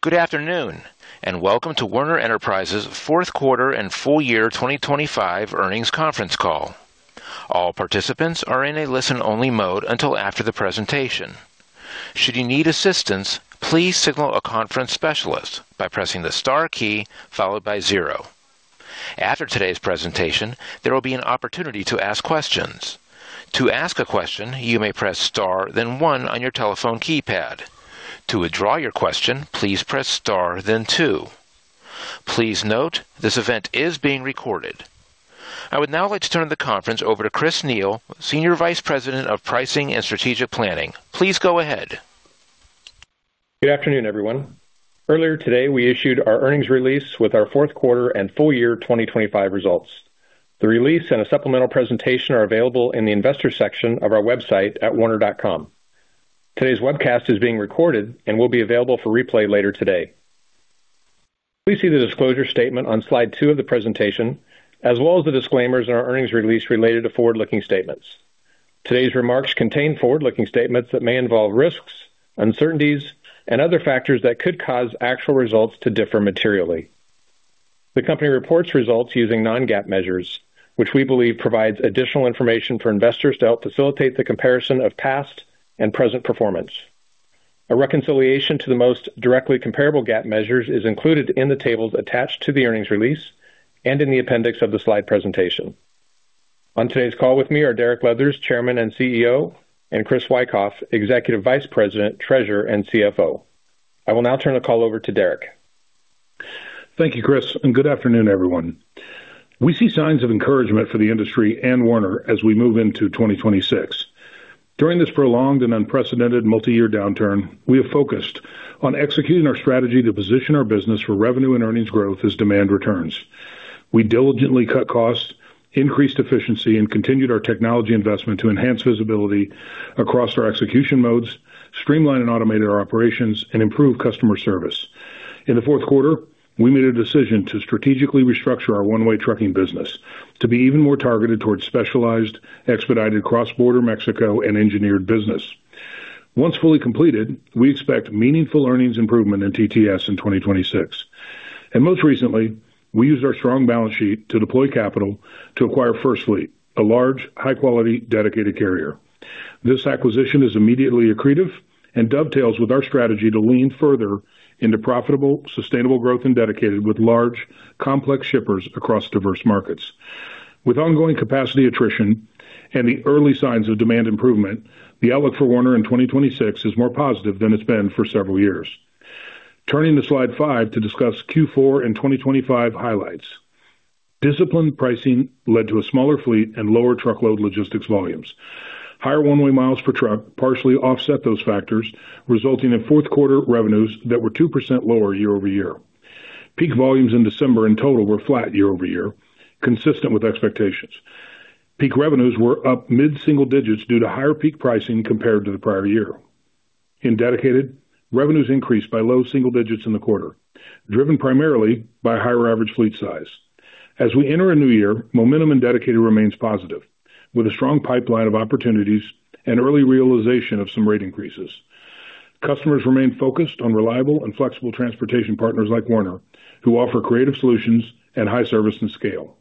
Good afternoon and welcome to Werner Enterprises Fourth Quarter and Full Year 2025 Earnings Conference Call. All participants are in a listen-only mode until after the presentation. Should you need assistance, please signal a conference specialist by pressing the star key followed by zero. After today's presentation, there will be an opportunity to ask questions. To ask a question, you may press star then one on your telephone keypad. To withdraw your question, please press star then two. Please note, this event is being recorded. I would now like to turn the conference over to Chris Neil, Senior Vice President of Pricing and Strategic Planning. Please go ahead. Good afternoon, everyone. Earlier today, we issued our earnings release with our fourth quarter and full year 2025 results. The release and a supplemental presentation are available in the investor section of our website at werner.com. Today's webcast is being recorded and will be available for replay later today. Please see the disclosure statement on slide two of the presentation, as well as the disclaimers in our earnings release related to forward-looking statements. Today's remarks contain forward-looking statements that may involve risks, uncertainties, and other factors that could cause actual results to differ materially. The company reports results using non-GAAP measures, which we believe provides additional information for investors to help facilitate the comparison of past and present performance. A reconciliation to the most directly comparable GAAP measures is included in the tables attached to the earnings release and in the appendix of the slide presentation. On today's call with me are Derek Leathers, Chairman and CEO, and Chris Wikoff, Executive Vice President, Treasurer, and CFO. I will now turn the call over to Derek. Thank you, Chris, and good afternoon, everyone. We see signs of encouragement for the industry and Werner as we move into 2026. During this prolonged and unprecedented multi-year downturn, we have focused on executing our strategy to position our business for revenue and earnings growth as demand returns. We diligently cut costs, increased efficiency, and continued our technology investment to enhance visibility across our execution modes, streamline and automate our operations, and improve customer service. In the fourth quarter, we made a decision to strategically restructure our One-Way trucking business to be even more targeted towards specialized, expedited cross-border Mexico and engineered business. Once fully completed, we expect meaningful earnings improvement in TTS in 2026. Most recently, we used our strong balance sheet to deploy capital to acquire FirstFleet, a large, high-quality, Dedicated carrier. This acquisition is immediately accretive and dovetails with our strategy to lean further into profitable, sustainable growth and Dedicated with large, complex shippers across diverse markets. With ongoing capacity attrition and the early signs of demand improvement, the outlook for Werner in 2026 is more positive than it's been for several years. Turning to slide five to discuss Q4 and 2025 highlights. Disciplined pricing led to a smaller fleet and lower truckload Logistics volumes. Higher One-Way miles per truck partially offset those factors, resulting in fourth quarter revenues that were 2% lower year-over-year. Peak volumes in December in total were flat year-over-year, consistent with expectations. Peak revenues were up mid-single digits due to higher peak pricing compared to the prior year. In Dedicated, revenues increased by low single digits in the quarter, driven primarily by higher average fleet size. As we enter a new year, momentum in Dedicated remains positive, with a strong pipeline of opportunities and early realization of some rate increases. Customers remain focused on reliable and flexible transportation partners like Werner, who offer creative solutions and high service and scale.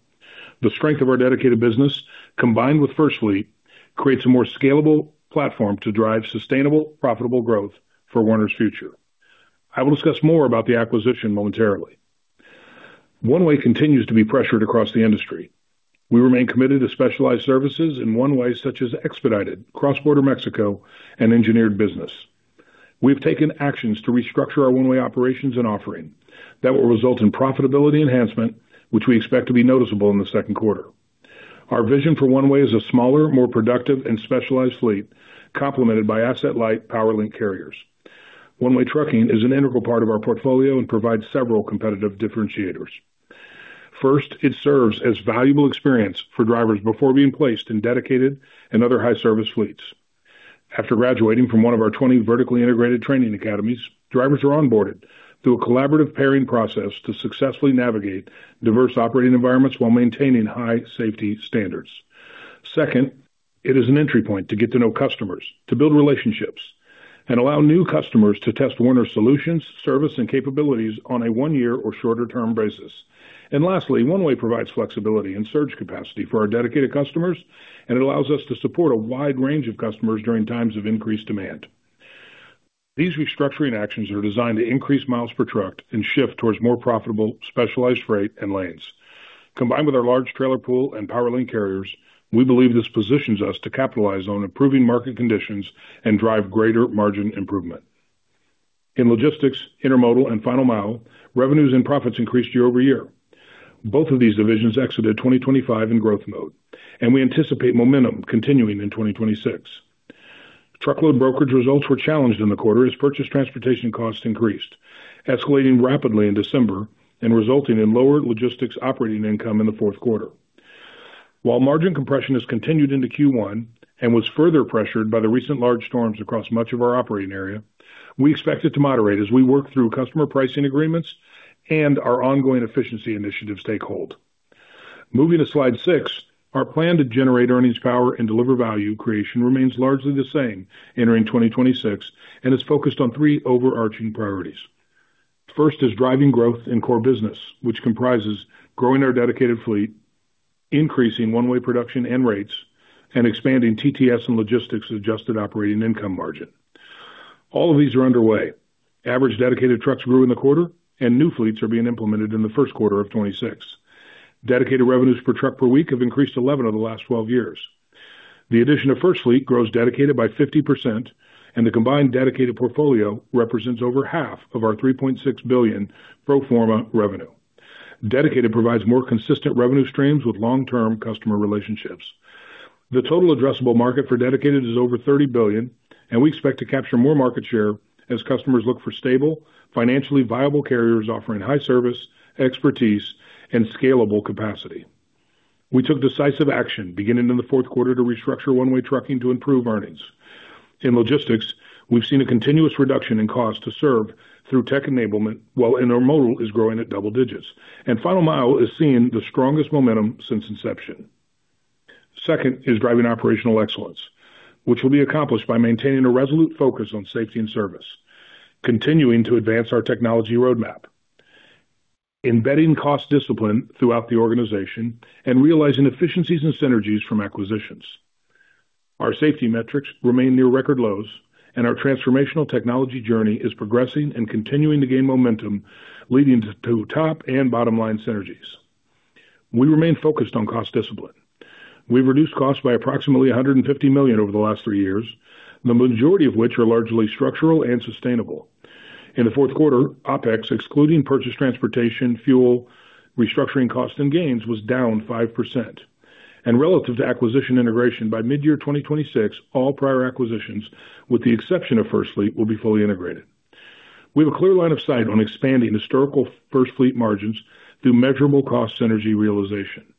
The strength of our Dedicated business, combined with FirstFleet, creates a more scalable platform to drive sustainable, profitable growth for Werner's future. I will discuss more about the acquisition momentarily. One-Way continues to be pressured across the industry. We remain committed to specialized services in One-Way such as expedited, cross-border Mexico, and engineered business. We have taken actions to restructure our One-Way operations and offering that will result in profitability enhancement, which we expect to be noticeable in the second quarter. Our vision for One-Way is a smaller, more productive, and specialized fleet, complemented by asset-light PowerLink carriers. One-Way trucking is an integral part of our portfolio and provides several competitive differentiators. First, it serves as valuable experience for drivers before being placed in Dedicated and other high-service fleets. After graduating from one of our 20 vertically integrated training academies, drivers are onboarded through a collaborative pairing process to successfully navigate diverse operating environments while maintaining high safety standards. Second, it is an entry point to get to know customers, to build relationships, and allow new customers to test Werner's solutions, service, and capabilities on a one-year or shorter-term basis. Lastly, One-Way provides flexibility and surge capacity for our Dedicated customers, and it allows us to support a wide range of customers during times of increased demand. These restructuring actions are designed to increase miles per truck and shift towards more profitable, specialized freight and lanes. Combined with our large trailer pool and PowerLink carriers, we believe this positions us to capitalize on improving market conditions and drive greater margin improvement. In Logistics, Intermodal, and Final Mile, revenues and profits increased year-over-year. Both of these divisions exited 2025 in growth mode, and we anticipate momentum continuing in 2026. Truckload brokerage results were challenged in the quarter as purchased transportation costs increased, escalating rapidly in December and resulting in lower Logistics operating income in the fourth quarter. While margin compression has continued into Q1 and was further pressured by the recent large storms across much of our operating area, we expect it to moderate as we work through customer pricing agreements and our ongoing efficiency initiatives take hold. Moving to slide six, our plan to generate earnings power and deliver value creation remains largely the same entering 2026 and is focused on three overarching priorities. First is driving growth in core business, which comprises growing our Dedicated fleet, increasing One-Way production and rates, and expanding TTS and Logistics adjusted operating income margin. All of these are underway. Average Dedicated trucks grew in the quarter, and new fleets are being implemented in the first quarter of 2026. Dedicated revenues per truck per week have increased 11 of the last 12 years. The addition of FirstFleet grows Dedicated by 50%, and the combined Dedicated portfolio represents over half of our $3.6 billion pro forma revenue. Dedicated provides more consistent revenue streams with long-term customer relationships. The total addressable market for Dedicated is over $30 billion, and we expect to capture more market share as customers look for stable, financially viable carriers offering high service, expertise, and scalable capacity. We took decisive action beginning in the fourth quarter to restructure One-Way trucking to improve earnings. In Logistics, we've seen a continuous reduction in cost to serve through tech enablement while Intermodal is growing at double digits, and Final Mile is seeing the strongest momentum since inception. Second is driving operational excellence, which will be accomplished by maintaining a resolute focus on safety and service, continuing to advance our technology roadmap, embedding cost discipline throughout the organization, and realizing efficiencies and synergies from acquisitions. Our safety metrics remain near record lows, and our transformational technology journey is progressing and continuing to gain momentum, leading to top and bottom line synergies. We remain focused on cost discipline. We've reduced costs by approximately $150 million over the last three years, the majority of which are largely structural and sustainable. In the fourth quarter, OpEx, excluding purchased transportation, fuel, restructuring costs and gains, was down 5%. Relative to acquisition integration, by mid-year 2026, all prior acquisitions, with the exception of FirstFleet, will be fully integrated. We have a clear line of sight on expanding historical FirstFleet margins through measurable cost synergy realization.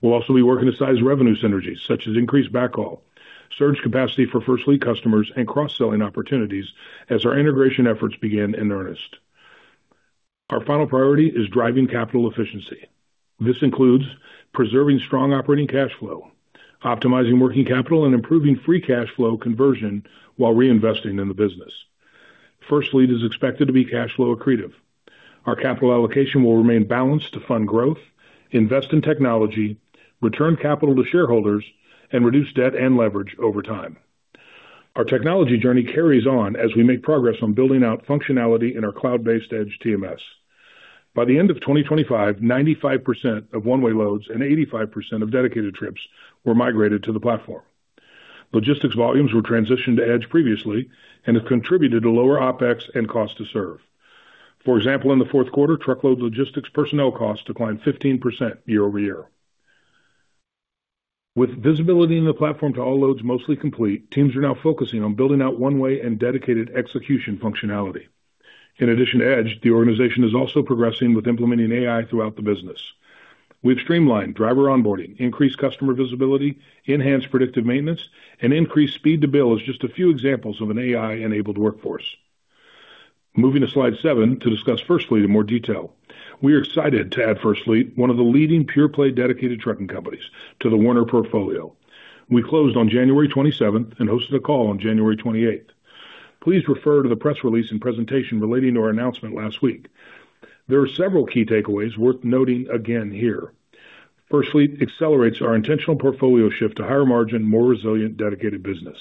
We'll also be working to size revenue synergies, such as increased backhaul, surge capacity for FirstFleet customers, and cross-selling opportunities as our integration efforts begin in earnest. Our final priority is driving capital efficiency. This includes preserving strong operating cash flow, optimizing working capital, and improving free cash flow conversion while reinvesting in the business. FirstFleet is expected to be cash flow accretive. Our capital allocation will remain balanced to fund growth, invest in technology, return capital to shareholders, and reduce debt and leverage over time. Our technology journey carries on as we make progress on building out functionality in our cloud-based EDGE TMS. By the end of 2025, 95% of One-Way loads and 85% of Dedicated trips were migrated to the platform. Logistics volumes were transitioned to EDGE previously and have contributed to lower OpEx and cost to serve. For example, in the fourth quarter, truckload Logistics personnel costs declined 15% year-over-year. With visibility in the platform to all loads mostly complete, teams are now focusing on building out One-Way and Dedicated execution functionality. In addition to EDGE, the organization is also progressing with implementing AI throughout the business. We've streamlined driver onboarding, increased customer visibility, enhanced predictive maintenance, and increased speed to bill as just a few examples of an AI-enabled workforce. Moving to slide seven to discuss FirstFleet in more detail. We are excited to add FirstFleet, one of the leading pure-play Dedicated trucking companies, to the Werner portfolio. We closed on January 27th and hosted a call on January 28th. Please refer to the press release and presentation relating to our announcement last week. There are several key takeaways worth noting again here. FirstFleet accelerates our intentional portfolio shift to higher margin, more resilient Dedicated business.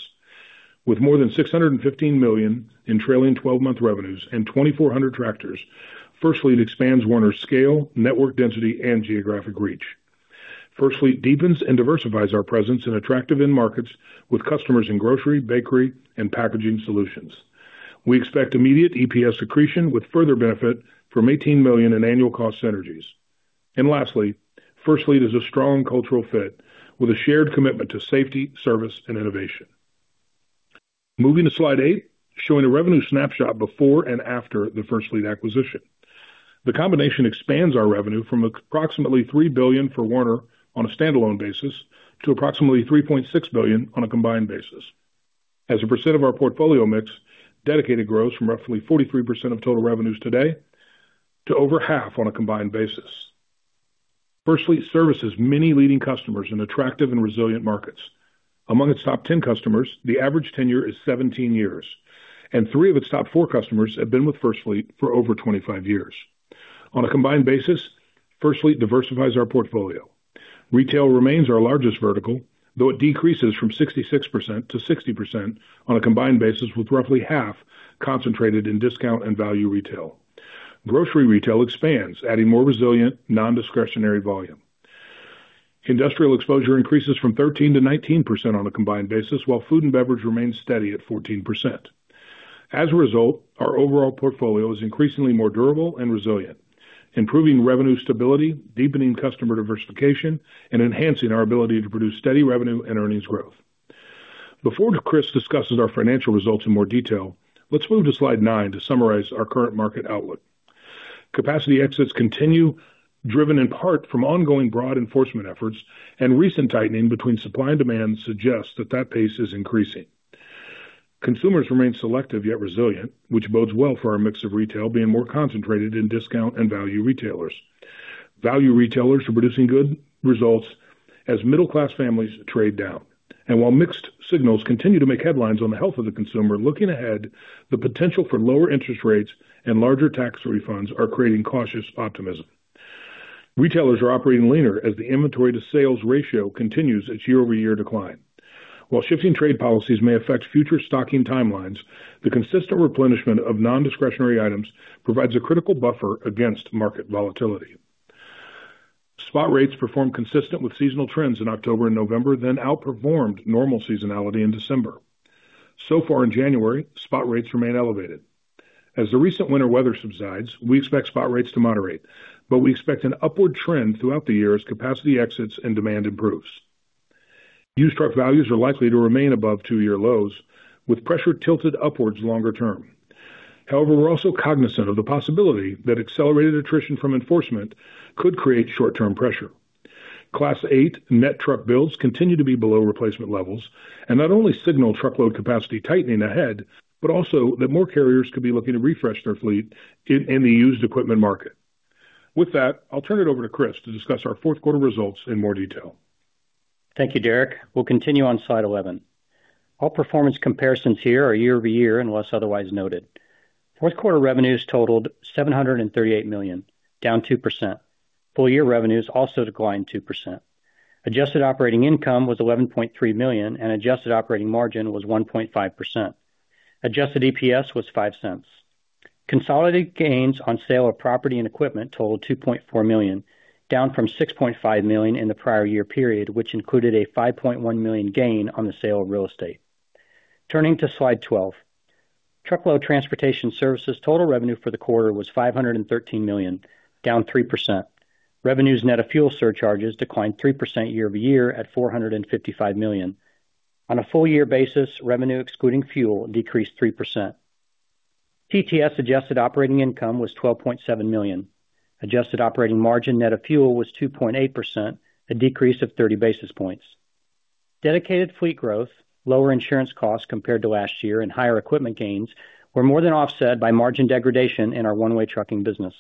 With more than $615 million in trailing 12 month revenues and 2,400 tractors, FirstFleet expands Werner's scale, network density, and geographic reach. FirstFleet deepens and diversifies our presence in attractive in-markets with customers in grocery, bakery, and packaging solutions. We expect immediate EPS accretion with further benefit from $18 million in annual cost synergies. And lastly, FirstFleet is a strong cultural fit with a shared commitment to safety, service, and innovation. Moving to slide eight, showing a revenue snapshot before and after the FirstFleet acquisition. The combination expands our revenue from approximately $3 billion for Werner on a standalone basis to approximately $3.6 billion on a combined basis. As a percent of our portfolio mix, Dedicated grows from roughly 43% of total revenues today to over half on a combined basis. FirstFleet services many leading customers in attractive and resilient markets. Among its top 10 customers, the average tenure is 17 years, and three of its top four customers have been with FirstFleet for over 25 years. On a combined basis, FirstFleet diversifies our portfolio. Retail remains our largest vertical, though it decreases from 66% to 60% on a combined basis, with roughly half concentrated in discount and value retail. Grocery retail expands, adding more resilient, non-discretionary volume. Industrial exposure increases from 13% to 19% on a combined basis, while food and beverage remain steady at 14%. As a result, our overall portfolio is increasingly more durable and resilient, improving revenue stability, deepening customer diversification, and enhancing our ability to produce steady revenue and earnings growth. Before Chris discusses our financial results in more detail, let's move to slide nine to summarize our current market outlook. Capacity exits continue, driven in part from ongoing broad enforcement efforts, and recent tightening between supply and demand suggests that that pace is increasing. Consumers remain selective yet resilient, which bodes well for our mix of retail being more concentrated in discount and value retailers. Value retailers are producing good results as middle-class families trade down. And while mixed signals continue to make headlines on the health of the consumer looking ahead, the potential for lower interest rates and larger tax refunds are creating cautious optimism. Retailers are operating leaner as the inventory-to-sales ratio continues its year-over-year decline. While shifting trade policies may affect future stocking timelines, the consistent replenishment of non-discretionary items provides a critical buffer against market volatility. Spot rates performed consistent with seasonal trends in October and November, then outperformed normal seasonality in December. So far in January, spot rates remain elevated. As the recent winter weather subsides, we expect spot rates to moderate, but we expect an upward trend throughout the year as capacity exits and demand improves. Used truck values are likely to remain above two-year lows, with pressure tilted upwards longer term. However, we're also cognizant of the possibility that accelerated attrition from enforcement could create short-term pressure. Class eight net truck builds continue to be below replacement levels and not only signal truckload capacity tightening ahead, but also that more carriers could be looking to refresh their fleet in the used equipment market. With that, I'll turn it over to Chris to discuss our fourth quarter results in more detail. Thank you, Derek. We'll continue on slide 11. All performance comparisons here are year-over-year unless otherwise noted. Fourth quarter revenues totaled $738 million, down 2%. Full-year revenues also declined 2%. Adjusted operating income was $11.3 million, and adjusted operating margin was 1.5%. Adjusted EPS was $0.05. Consolidated gains on sale of property and equipment totaled $2.4 million, down from $6.5 million in the prior year period, which included a $5.1 million gain on the sale of real estate. Turning to slide 12. Truckload transportation services total revenue for the quarter was $513 million, down 3%. Revenues net of fuel surcharges declined 3% year-over-year at $455 million. On a full-year basis, revenue excluding fuel decreased 3%. TTS adjusted operating income was $12.7 million. Adjusted operating margin net of fuel was 2.8%, a decrease of 30 basis points. Dedicated fleet growth, lower insurance costs compared to last year, and higher equipment gains were more than offset by margin degradation in our One-Way trucking business.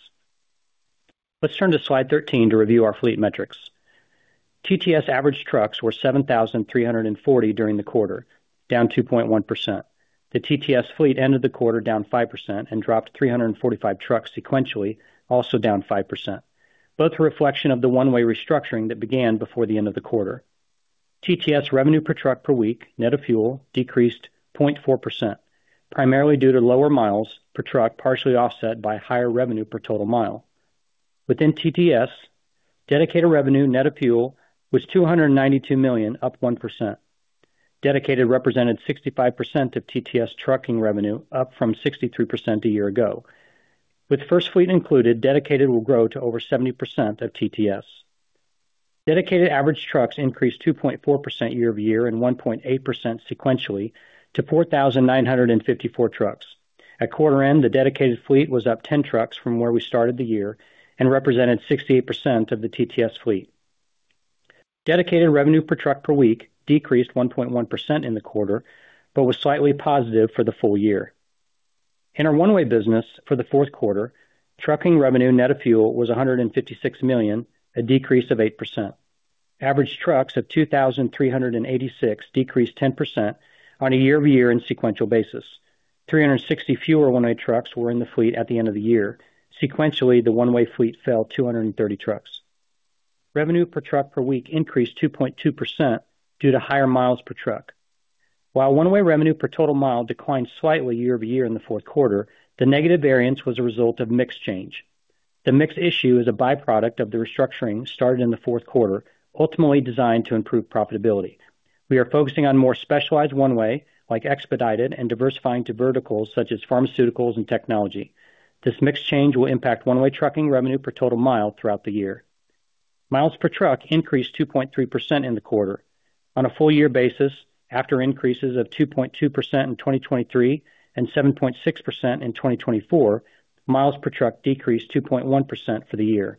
Let's turn to slide 13 to review our fleet metrics. TTS average trucks were 7,340 during the quarter, down 2.1%. The TTS fleet ended the quarter down 5% and dropped 345 trucks sequentially, also down 5%, both a reflection of the One-Way restructuring that began before the end of the quarter. TTS revenue per truck per week net of fuel decreased 0.4%, primarily due to lower miles per truck, partially offset by higher revenue per total mile. Within TTS, Dedicated revenue net of fuel was $292 million, up 1%. Dedicated represented 65% of TTS trucking revenue, up from 63% a year ago. With FirstFleet included, Dedicated will grow to over 70% of TTS. Dedicated average trucks increased 2.4% year-over-year and 1.8% sequentially to 4,954 trucks. At quarter end, the Dedicated fleet was up 10 trucks from where we started the year and represented 68% of the TTS fleet. Dedicated revenue per truck per week decreased 1.1% in the quarter, but was slightly positive for the full year. In our One-Way business for the fourth quarter, trucking revenue net of fuel was $156 million, a decrease of 8%. Average trucks of 2,386 decreased 10% on a year-over-year and sequential basis. 360 fewer One-Way trucks were in the fleet at the end of the year. Sequentially, the One-Way fleet fell 230 trucks. Revenue per truck per week increased 2.2% due to higher miles per truck. While One-Way revenue per total mile declined slightly year-over-year in the fourth quarter, the negative variance was a result of mixed change. The mixed issue is a byproduct of the restructuring started in the fourth quarter, ultimately designed to improve profitability. We are focusing on more specialized One-Way, like expedited, and diversifying to verticals such as pharmaceuticals and technology. This mixed change will impact One-Way trucking revenue per total mile throughout the year. Miles per truck increased 2.3% in the quarter. On a full-year basis, after increases of 2.2% in 2023 and 7.6% in 2024, miles per truck decreased 2.1% for the year.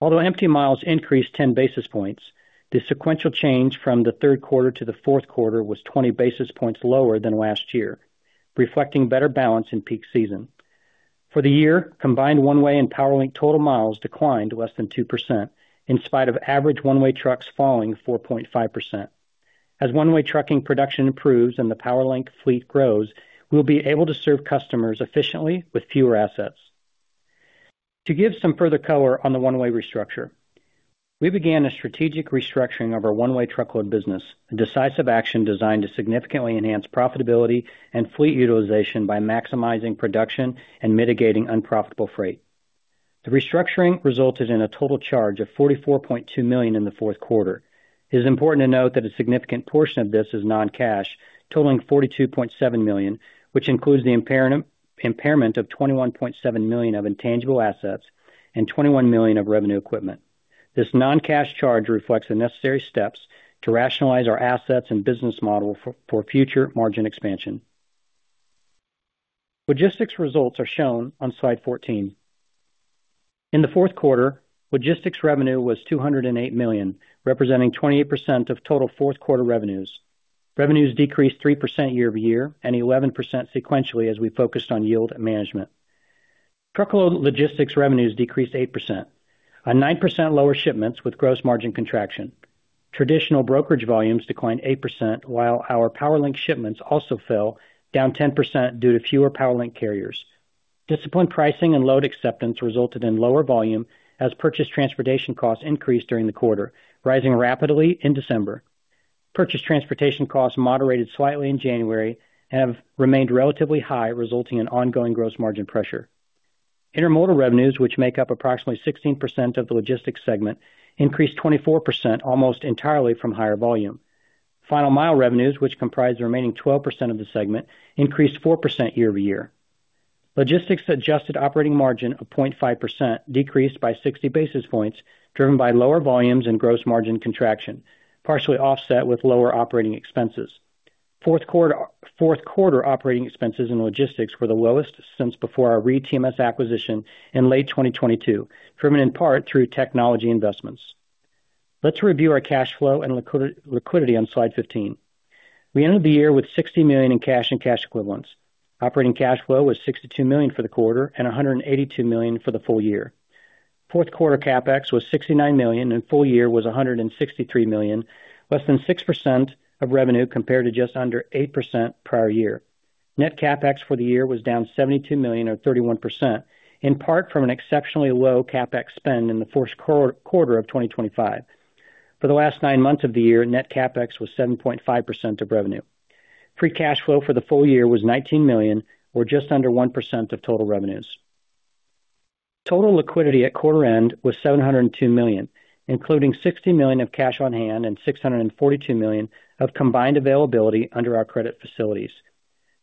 Although empty miles increased 10 basis points, the sequential change from the third quarter to the fourth quarter was 20 basis points lower than last year, reflecting better balance in peak season. For the year, combined One-Way and PowerLink total miles declined less than 2%, in spite of average One-Way trucks falling 4.5%. As One-Way trucking production improves and the PowerLink fleet grows, we will be able to serve customers efficiently with fewer assets. To give some further color on the One-Way restructure, we began a strategic restructuring of our One-Way Truckload business, a decisive action designed to significantly enhance profitability and fleet utilization by maximizing production and mitigating unprofitable freight. The restructuring resulted in a total charge of $44.2 million in the fourth quarter. It is important to note that a significant portion of this is non-cash, totaling $42.7 million, which includes the impairment of $21.7 million of intangible assets and $21 million of revenue equipment. This non-cash charge reflects the necessary steps to rationalize our assets and business model for future margin expansion. Logistics results are shown on slide 14. In the fourth quarter, Logistics revenue was $208 million, representing 28% of total fourth quarter revenues. Revenues decreased 3% year-over-year and 11% sequentially as we focused on yield and management. Truckload Logistics revenues decreased 8%, with a 9% lower shipments with gross margin contraction. Traditional brokerage volumes declined 8% while our PowerLink shipments also fell, down 10% due to fewer PowerLink carriers. Disciplined pricing and load acceptance resulted in lower volume as purchased transportation costs increased during the quarter, rising rapidly in December. Purchased transportation costs moderated slightly in January and have remained relatively high, resulting in ongoing gross margin pressure. Intermodal revenues, which make up approximately 16% of the Logistics segment, increased 24% almost entirely from higher volume. Final Mile revenues, which comprise the remaining 12% of the segment, increased 4% year-over-year. Logistics adjusted operating margin of 0.5% decreased by 60 basis points, driven by lower volumes and gross margin contraction, partially offset with lower operating expenses. Fourth quarter operating expenses in Logistics were the lowest since before our ReedTMS acquisition in late 2022, driven in part through technology investments. Let's review our cash flow and liquidity on slide 15. We ended the year with $60 million in cash and cash equivalents. Operating cash flow was $62 million for the quarter and $182 million for the full year. Fourth quarter CapEx was $69 million and full year was $163 million, less than 6% of revenue compared to just under 8% prior year. Net CapEx for the year was down $72 million or 31%, in part from an exceptionally low CapEx spend in the fourth quarter of 2025. For the last nine months of the year, net CapEx was 7.5% of revenue. Free cash flow for the full year was $19 million or just under 1% of total revenues. Total liquidity at quarter end was $702 million, including $60 million of cash on hand and $642 million of combined availability under our credit facilities.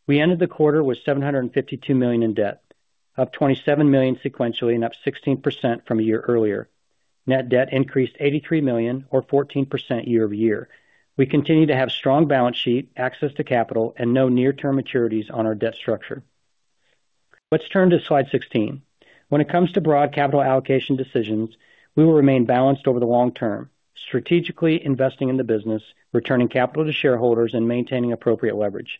We ended the quarter with $752 million in debt, up $27 million sequentially and up 16% from a year earlier. Net debt increased $83 million or 14% year-over-year. We continue to have strong balance sheet, access to capital, and no near-term maturities on our debt structure. Let's turn to slide 16. When it comes to broad capital allocation decisions, we will remain balanced over the long term, strategically investing in the business, returning capital to shareholders, and maintaining appropriate leverage.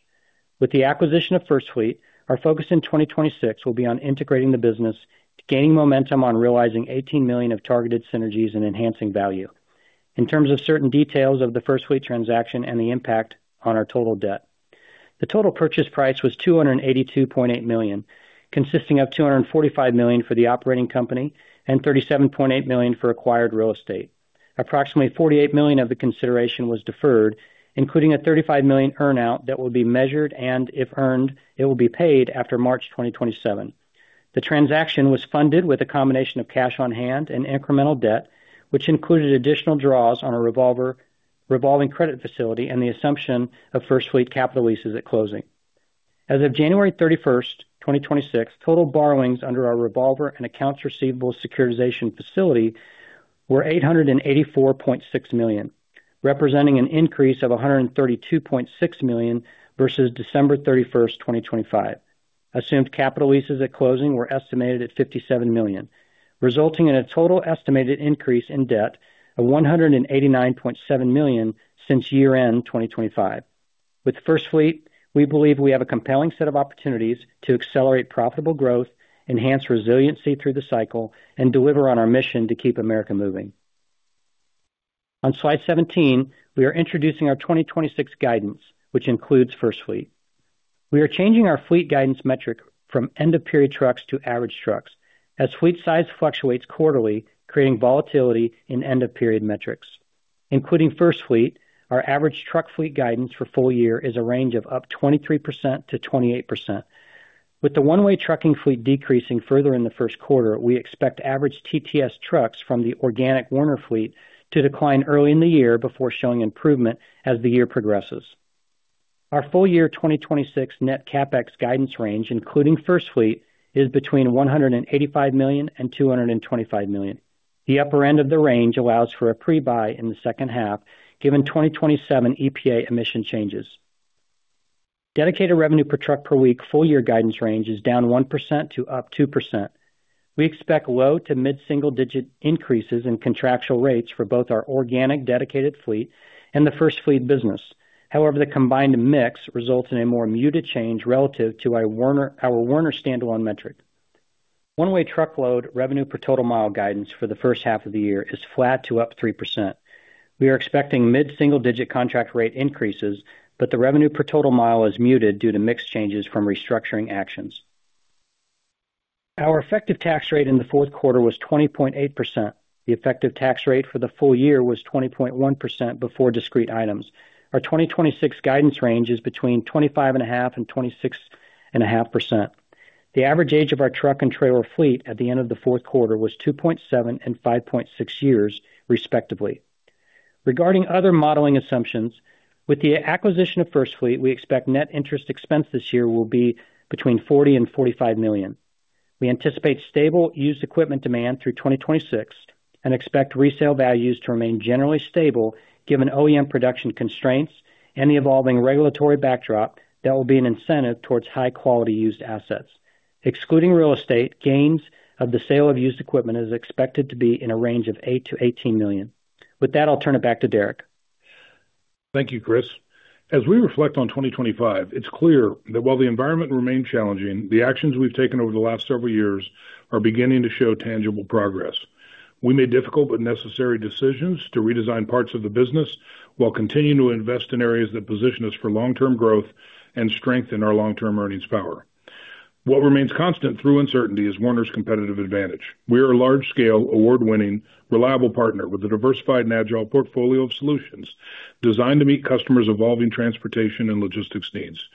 With the acquisition of FirstFleet, our focus in 2026 will be on integrating the business, gaining momentum on realizing $18 million of targeted synergies and enhancing value, in terms of certain details of the FirstFleet transaction and the impact on our total debt. The total purchase price was $282.8 million, consisting of $245 million for the operating company and $37.8 million for acquired real estate. Approximately $48 million of the consideration was deferred, including a $35 million earnout that will be measured and, if earned, it will be paid after March 2027. The transaction was funded with a combination of cash on hand and incremental debt, which included additional draws on a revolving credit facility and the assumption of FirstFleet capital leases at closing. As of January 31st, 2026, total borrowings under our revolver and accounts receivable securitization facility were $884.6 million, representing an increase of $132.6 million versus December 31st, 2025. Assumed capital leases at closing were estimated at $57 million, resulting in a total estimated increase in debt of $189.7 million since year-end 2025. With FirstFleet, we believe we have a compelling set of opportunities to accelerate profitable growth, enhance resiliency through the cycle, and deliver on our mission to keep America moving. On slide 17, we are introducing our 2026 guidance, which includes FirstFleet. We are changing our fleet guidance metric from end-of-period trucks to average trucks as fleet size fluctuates quarterly, creating volatility in end-of-period metrics. Including FirstFleet, our average truck fleet guidance for full year is a range of up 23%-28%. With the One-Way trucking fleet decreasing further in the Q1, we expect average TTS trucks from the organic Werner fleet to decline early in the year before showing improvement as the year progresses. Our full year 2026 net CapEx guidance range, including FirstFleet, is between $185 million and $225 million. The upper end of the range allows for a pre-buy in the second half, given 2027 EPA emission changes. Dedicated revenue per truck per week full year guidance range is down 1% to up 2%. We expect low to mid-single digit increases in contractual rates for both our organic Dedicated fleet and the FirstFleet business. However, the combined mix results in a more muted change relative to our Werner standalone metric. One-Way Truckload revenue per total mile guidance for the first half of the year is flat to up 3%. We are expecting mid-single digit contract rate increases, but the revenue per total mile is muted due to mixed changes from restructuring actions. Our effective tax rate in the fourth quarter was 20.8%. The effective tax rate for the full year was 20.1% before discrete items. Our 2026 guidance range is between 25.5%-26.5%. The average age of our truck and trailer fleet at the end of the fourth quarter was 2.7 and 5.6 years, respectively. Regarding other modeling assumptions, with the acquisition of FirstFleet, we expect net interest expense this year will be between $40 million and $45 million. We anticipate stable used equipment demand through 2026 and expect resale values to remain generally stable, given OEM production constraints and the evolving regulatory backdrop that will be an incentive towards high-quality used assets. Excluding real estate, gains of the sale of used equipment is expected to be in a range of $8 million-$18 million. With that, I'll turn it back to Derek. Thank you, Chris. As we reflect on 2025, it's clear that while the environment remains challenging, the actions we've taken over the last several years are beginning to show tangible progress. We made difficult but necessary decisions to redesign parts of the business while continuing to invest in areas that position us for long-term growth and strengthen our long-term earnings power. What remains constant through uncertainty is Werner's competitive advantage. We are a large-scale, award-winning, reliable partner with a diversified and agile portfolio of solutions designed to meet customers' evolving transportation and Logistics needs.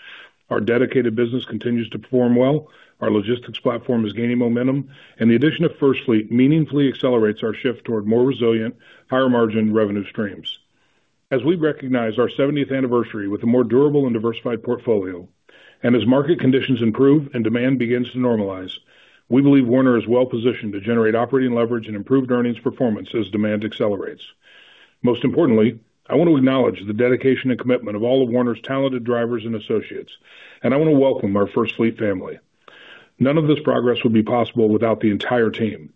Our Dedicated business continues to perform well, our Logistics platform is gaining momentum, and the addition of FirstFleet meaningfully accelerates our shift toward more resilient, higher-margin revenue streams. As we recognize our 70th anniversary with a more durable and diversified portfolio and as market conditions improve and demand begins to normalize, we believe Werner is well-positioned to generate operating leverage and improved earnings performance as demand accelerates. Most importantly, I want to acknowledge the dedication and commitment of all of Werner's talented drivers and associates, and I want to welcome our FirstFleet family. None of this progress would be possible without the entire team.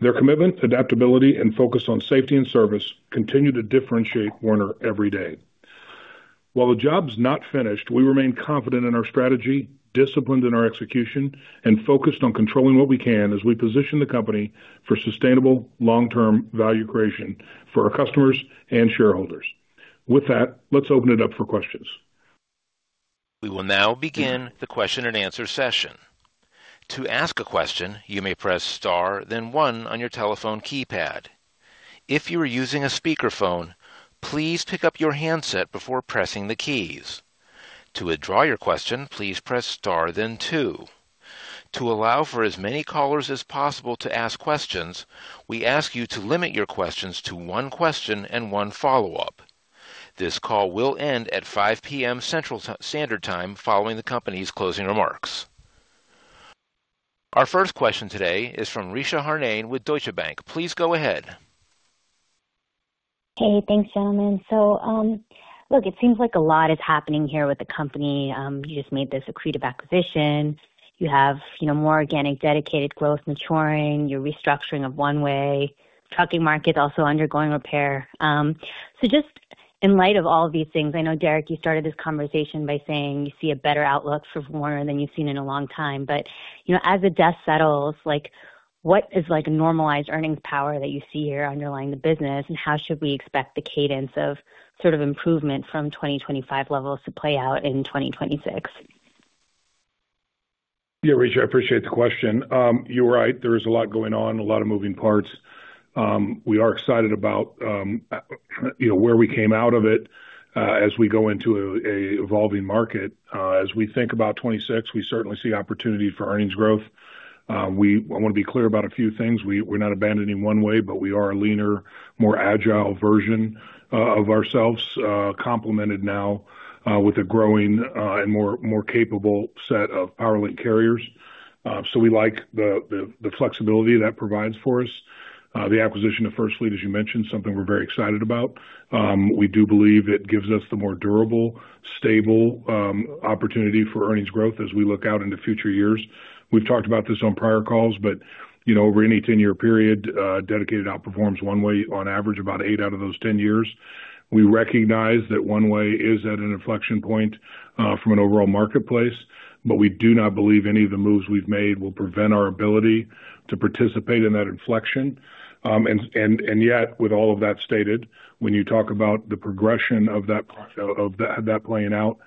Their commitment, adaptability, and focus on safety and service continue to differentiate Werner every day. While the job's not finished, we remain confident in our strategy, disciplined in our execution, and focused on controlling what we can as we position the company for sustainable, long-term value creation for our customers and shareholders. With that, let's open it up for questions. We will now begin the question and answer session. To ask a question, you may press star, then one on your telephone keypad. If you are using a speakerphone, please pick up your handset before pressing the keys. To withdraw your question, please press star, then two. To allow for as many callers as possible to ask questions, we ask you to limit your questions to one question and one follow-up. This call will end at 5:00 P.M. Central Standard Time following the company's closing remarks. Our first question today is from Richa Harnain with Deutsche Bank. Please go ahead. Hey, thanks, gentlemen. So, look, it seems like a lot is happening here with the company. You just made this accretive acquisition. You have more organic Dedicated growth maturing, your restructuring of One-Way trucking market also undergoing repair. So just in light of all of these things, I know, Derek, you started this conversation by saying you see a better outlook for Werner than you've seen in a long time. But as the dust settles, what is a normalized earnings power that you see here underlying the business, and how should we expect the cadence of sort of improvement from 2025 levels to play out in 2026? Yeah, Richa, I appreciate the question. You're right. There is a lot going on, a lot of moving parts. We are excited about where we came out of it as we go into an evolving market. As we think about 2026, we certainly see opportunity for earnings growth. I want to be clear about a few things. We're not abandoning One-Way, but we are a leaner, more agile version of ourselves, complemented now with a growing and more capable set of PowerLink carriers. So we like the flexibility that provides for us. The acquisition of FirstFleet, as you mentioned, is something we're very excited about. We do believe it gives us the more durable, stable opportunity for earnings growth as we look out into future years. We've talked about this on prior calls, but over any 10 year period, Dedicated outperforms One-Way on average about eight out of those 10 years. We recognize that One-Way is at an inflection point from an overall marketplace, but we do not believe any of the moves we've made will prevent our ability to participate in that inflection. And yet, with all of that stated, when you talk about the progression of that playing out,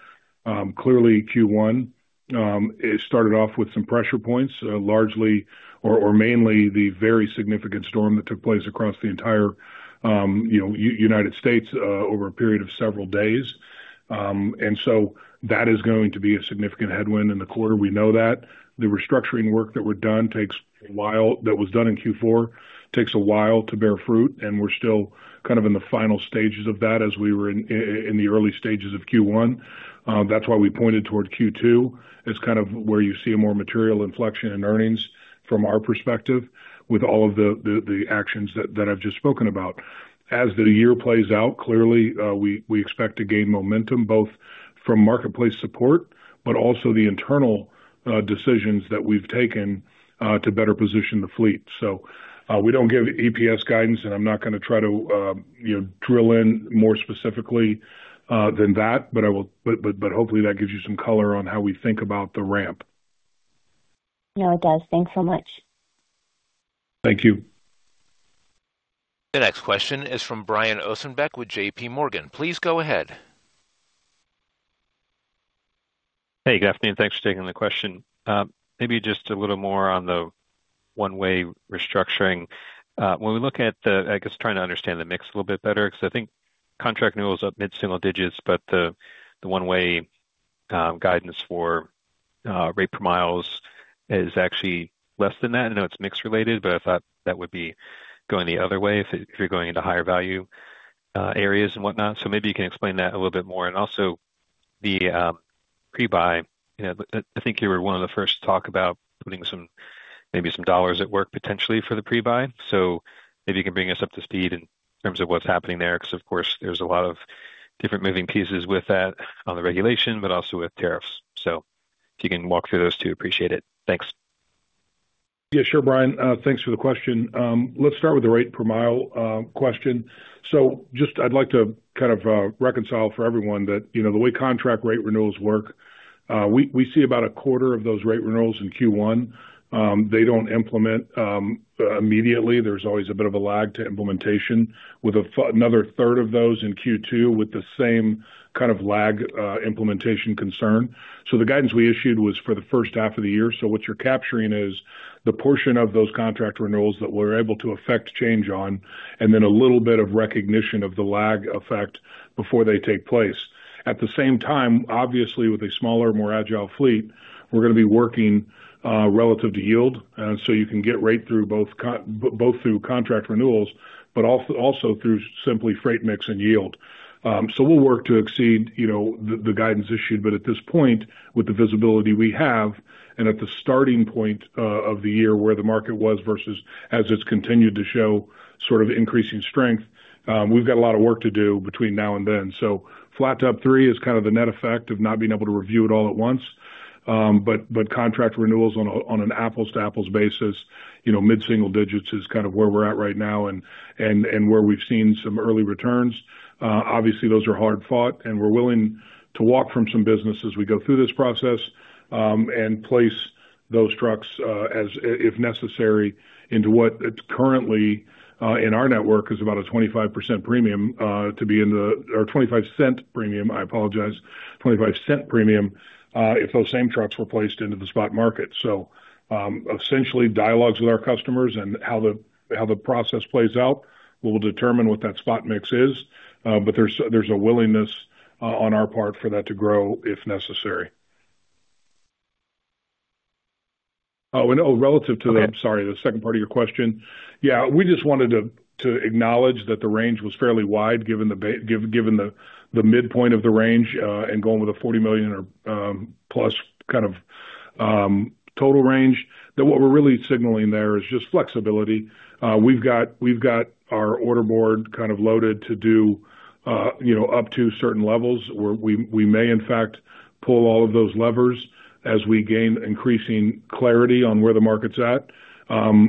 clearly, Q1 started off with some pressure points, largely or mainly the very significant storm that took place across the entire United States over a period of several days. So that is going to be a significant headwind in the quarter. We know that. The restructuring work that was done in Q4 takes a while to bear fruit, and we're still kind of in the final stages of that as we were in the early stages of Q1. That's why we pointed toward Q2 as kind of where you see a more material inflection in earnings from our perspective with all of the actions that I've just spoken about. As the year plays out, clearly, we expect to gain momentum both from marketplace support but also the internal decisions that we've taken to better position the fleet. So we don't give EPS guidance, and I'm not going to try to drill in more specifically than that, but hopefully, that gives you some color on how we think about the ramp. No, it does. Thanks so much. Thank you. The next question is from Brian Ossenbeck with JPMorgan. Please go ahead. Hey, good afternoon. Thanks for taking the question. Maybe just a little more on the One-Way restructuring. When we look at the, I guess, trying to understand the mix a little bit better because I think contract renewal's up mid-single digits, but the One-Way guidance for rate per miles is actually less than that. I know it's mix-related, but I thought that would be going the other way if you're going into higher-value areas and whatnot. So maybe you can explain that a little bit more. And also, the pre-buy, I think you were one of the first to talk about putting maybe some dollars at work potentially for the pre-buy. So maybe you can bring us up to speed in terms of what's happening there because, of course, there's a lot of different moving pieces with that on the regulation but also with tariffs. So if you can walk through those two, appreciate it. Thanks. Yeah, sure, Brian. Thanks for the question. Let's start with the rate per mile question. So just I'd like to kind of reconcile for everyone that the way contract rate renewals work, we see about a quarter of those rate renewals in Q1. They don't implement immediately. There's always a bit of a lag to implementation, with another 1/3 of those in Q2 with the same kind of lag implementation concern. So the guidance we issued was for the first half of the year. So what you're capturing is the portion of those contract rate renewals that we're able to affect change on and then a little bit of recognition of the lag effect before they take place. At the same time, obviously, with a smaller, more agile fleet, we're going to be working relative to yield. You can get rate through both through contract renewals but also through simply freight mix and yield. We'll work to exceed the guidance issued. At this point, with the visibility we have and at the starting point of the year where the market was versus as it's continued to show sort of increasing strength, we've got a lot of work to do between now and then. Flat to up three is kind of the net effect of not being able to review it all at once. Contract renewals on an apples-to-apples basis, mid-single digits is kind of where we're at right now and where we've seen some early returns. Obviously, those are hard-fought, and we're willing to walk from some business as we go through this process and place those trucks, if necessary, into what currently in our network is about a 25% premium to be in the or $0.25 premium - I apologize - $0.25 premium if those same trucks were placed into the spot market. So essentially, dialogues with our customers and how the process plays out will determine what that spot mix is. But there's a willingness on our part for that to grow if necessary. Oh, relative to the I'm sorry, the second part of your question. Yeah, we just wanted to acknowledge that the range was fairly wide given the midpoint of the range and going with a $40+ million kind of total range. That's what we're really signaling there is just flexibility. We've got our order board kind of loaded to do up to certain levels. We may, in fact, pull all of those levers as we gain increasing clarity on where the market's at. As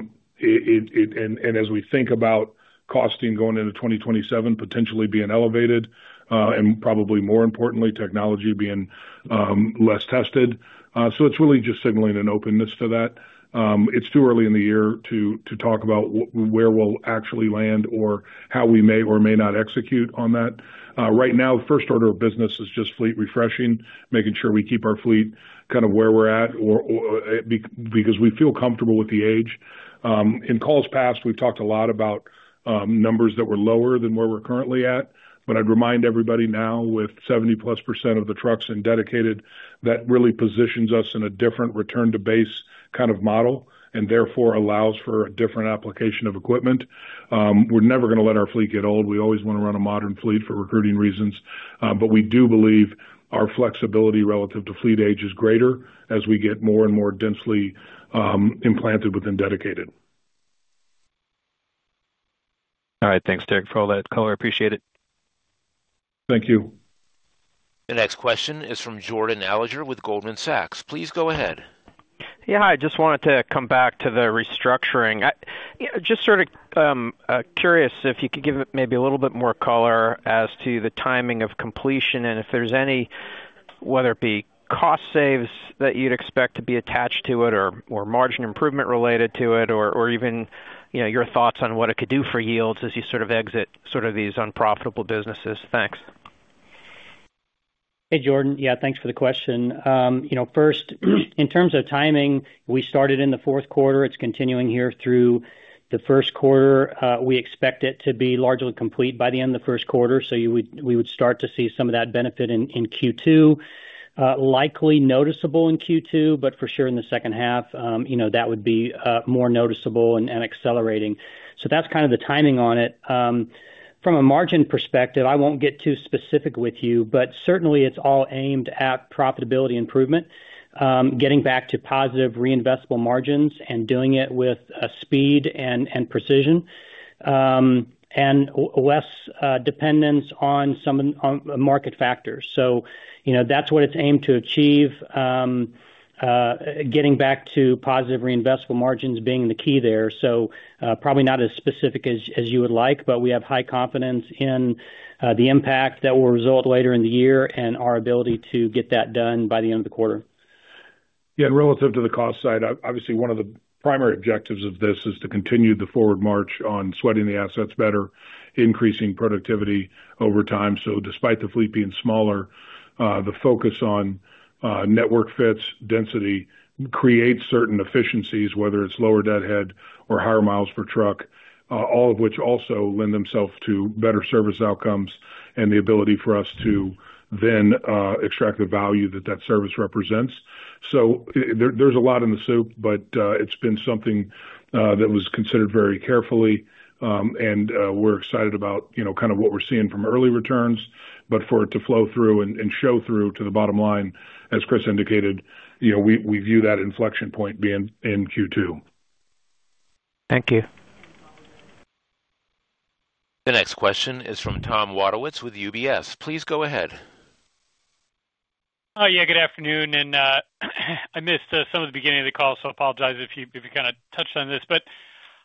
we think about costing going into 2027 potentially being elevated and, probably more importantly, technology being less tested, so it's really just signaling an openness to that. It's too early in the year to talk about where we'll actually land or how we may or may not execute on that. Right now, the first order of business is just fleet refreshing, making sure we keep our fleet kind of where we're at because we feel comfortable with the age. In calls past, we've talked a lot about numbers that were lower than where we're currently at. But I'd remind everybody now, with 70%+ of the trucks in Dedicated, that really positions us in a different return-to-base kind of model and, therefore, allows for a different application of equipment. We're never going to let our fleet get old. We always want to run a modern fleet for recruiting reasons. But we do believe our flexibility relative to fleet age is greater as we get more and more densely implanted within Dedicated. All right. Thanks, Derek, for all that color. Appreciate it. Thank you. The next question is from Jordan Alliger with Goldman Sachs. Please go ahead. Yeah, hi. I just wanted to come back to the restructuring. Just sort of curious if you could give it maybe a little bit more color as to the timing of completion and if there's any, whether it be cost saves that you'd expect to be attached to it or margin improvement related to it or even your thoughts on what it could do for yields as you sort of exit sort of these unprofitable businesses. Thanks. Hey, Jordan. Yeah, thanks for the question. First, in terms of timing, we started in the fourth quarter. It's continuing here through the first quarter. We expect it to be largely complete by the end of the first quarter. So we would start to see some of that benefit in Q2, likely noticeable in Q2, but for sure in the second half, that would be more noticeable and accelerating. So that's kind of the timing on it. From a margin perspective, I won't get too specific with you, but certainly, it's all aimed at profitability improvement, getting back to positive reinvestable margins and doing it with speed and precision and less dependence on market factors. So that's what it's aimed to achieve, getting back to positive reinvestable margins being the key there. So probably not as specific as you would like, but we have high confidence in the impact that will result later in the year and our ability to get that done by the end of the quarter. Yeah, and relative to the cost side, obviously, one of the primary objectives of this is to continue the forward march on sweating the assets better, increasing productivity over time. So despite the fleet being smaller, the focus on network fits, density creates certain efficiencies, whether it's lower deadhead or higher miles per truck, all of which also lend themselves to better service outcomes and the ability for us to then extract the value that that service represents. So there's a lot in the soup, but it's been something that was considered very carefully. And we're excited about kind of what we're seeing from early returns. But for it to flow through and show through to the bottom line, as Chris indicated, we view that inflection point being in Q2. Thank you. The next question is from Tom Wadewitz with UBS. Please go ahead. Oh, yeah. Good afternoon. I missed some of the beginning of the call, so I apologize if you kind of touched on this. But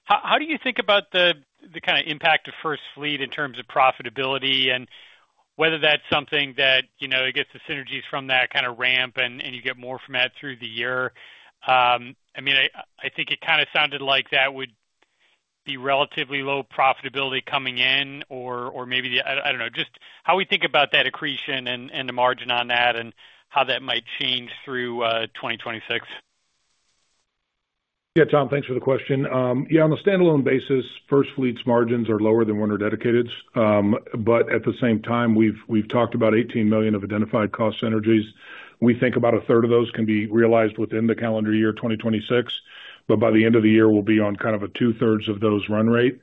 how do you think about the kind of impact of FirstFleet in terms of profitability and whether that's something that it gets the synergies from that kind of ramp and you get more from that through the year? I mean, I think it kind of sounded like that would be relatively low profitability coming in or maybe the I don't know, just how we think about that accretion and the margin on that and how that might change through 2026? Yeah, Tom, thanks for the question. Yeah, on a standalone basis, FirstFleet's margins are lower than one of our Dedicated's. But at the same time, we've talked about $18 million of identified cost synergies. We think about 1/3 of those can be realized within the calendar year, 2026. But by the end of the year, we'll be on kind of a 2/3 of those run rate.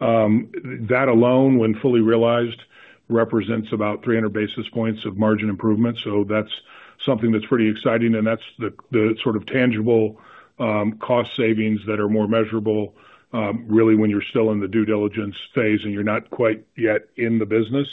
That alone, when fully realized, represents about 300 basis points of margin improvement. That's something that's pretty exciting. That's the sort of tangible cost savings that are more measurable, really, when you're still in the due diligence phase and you're not quite yet in the business.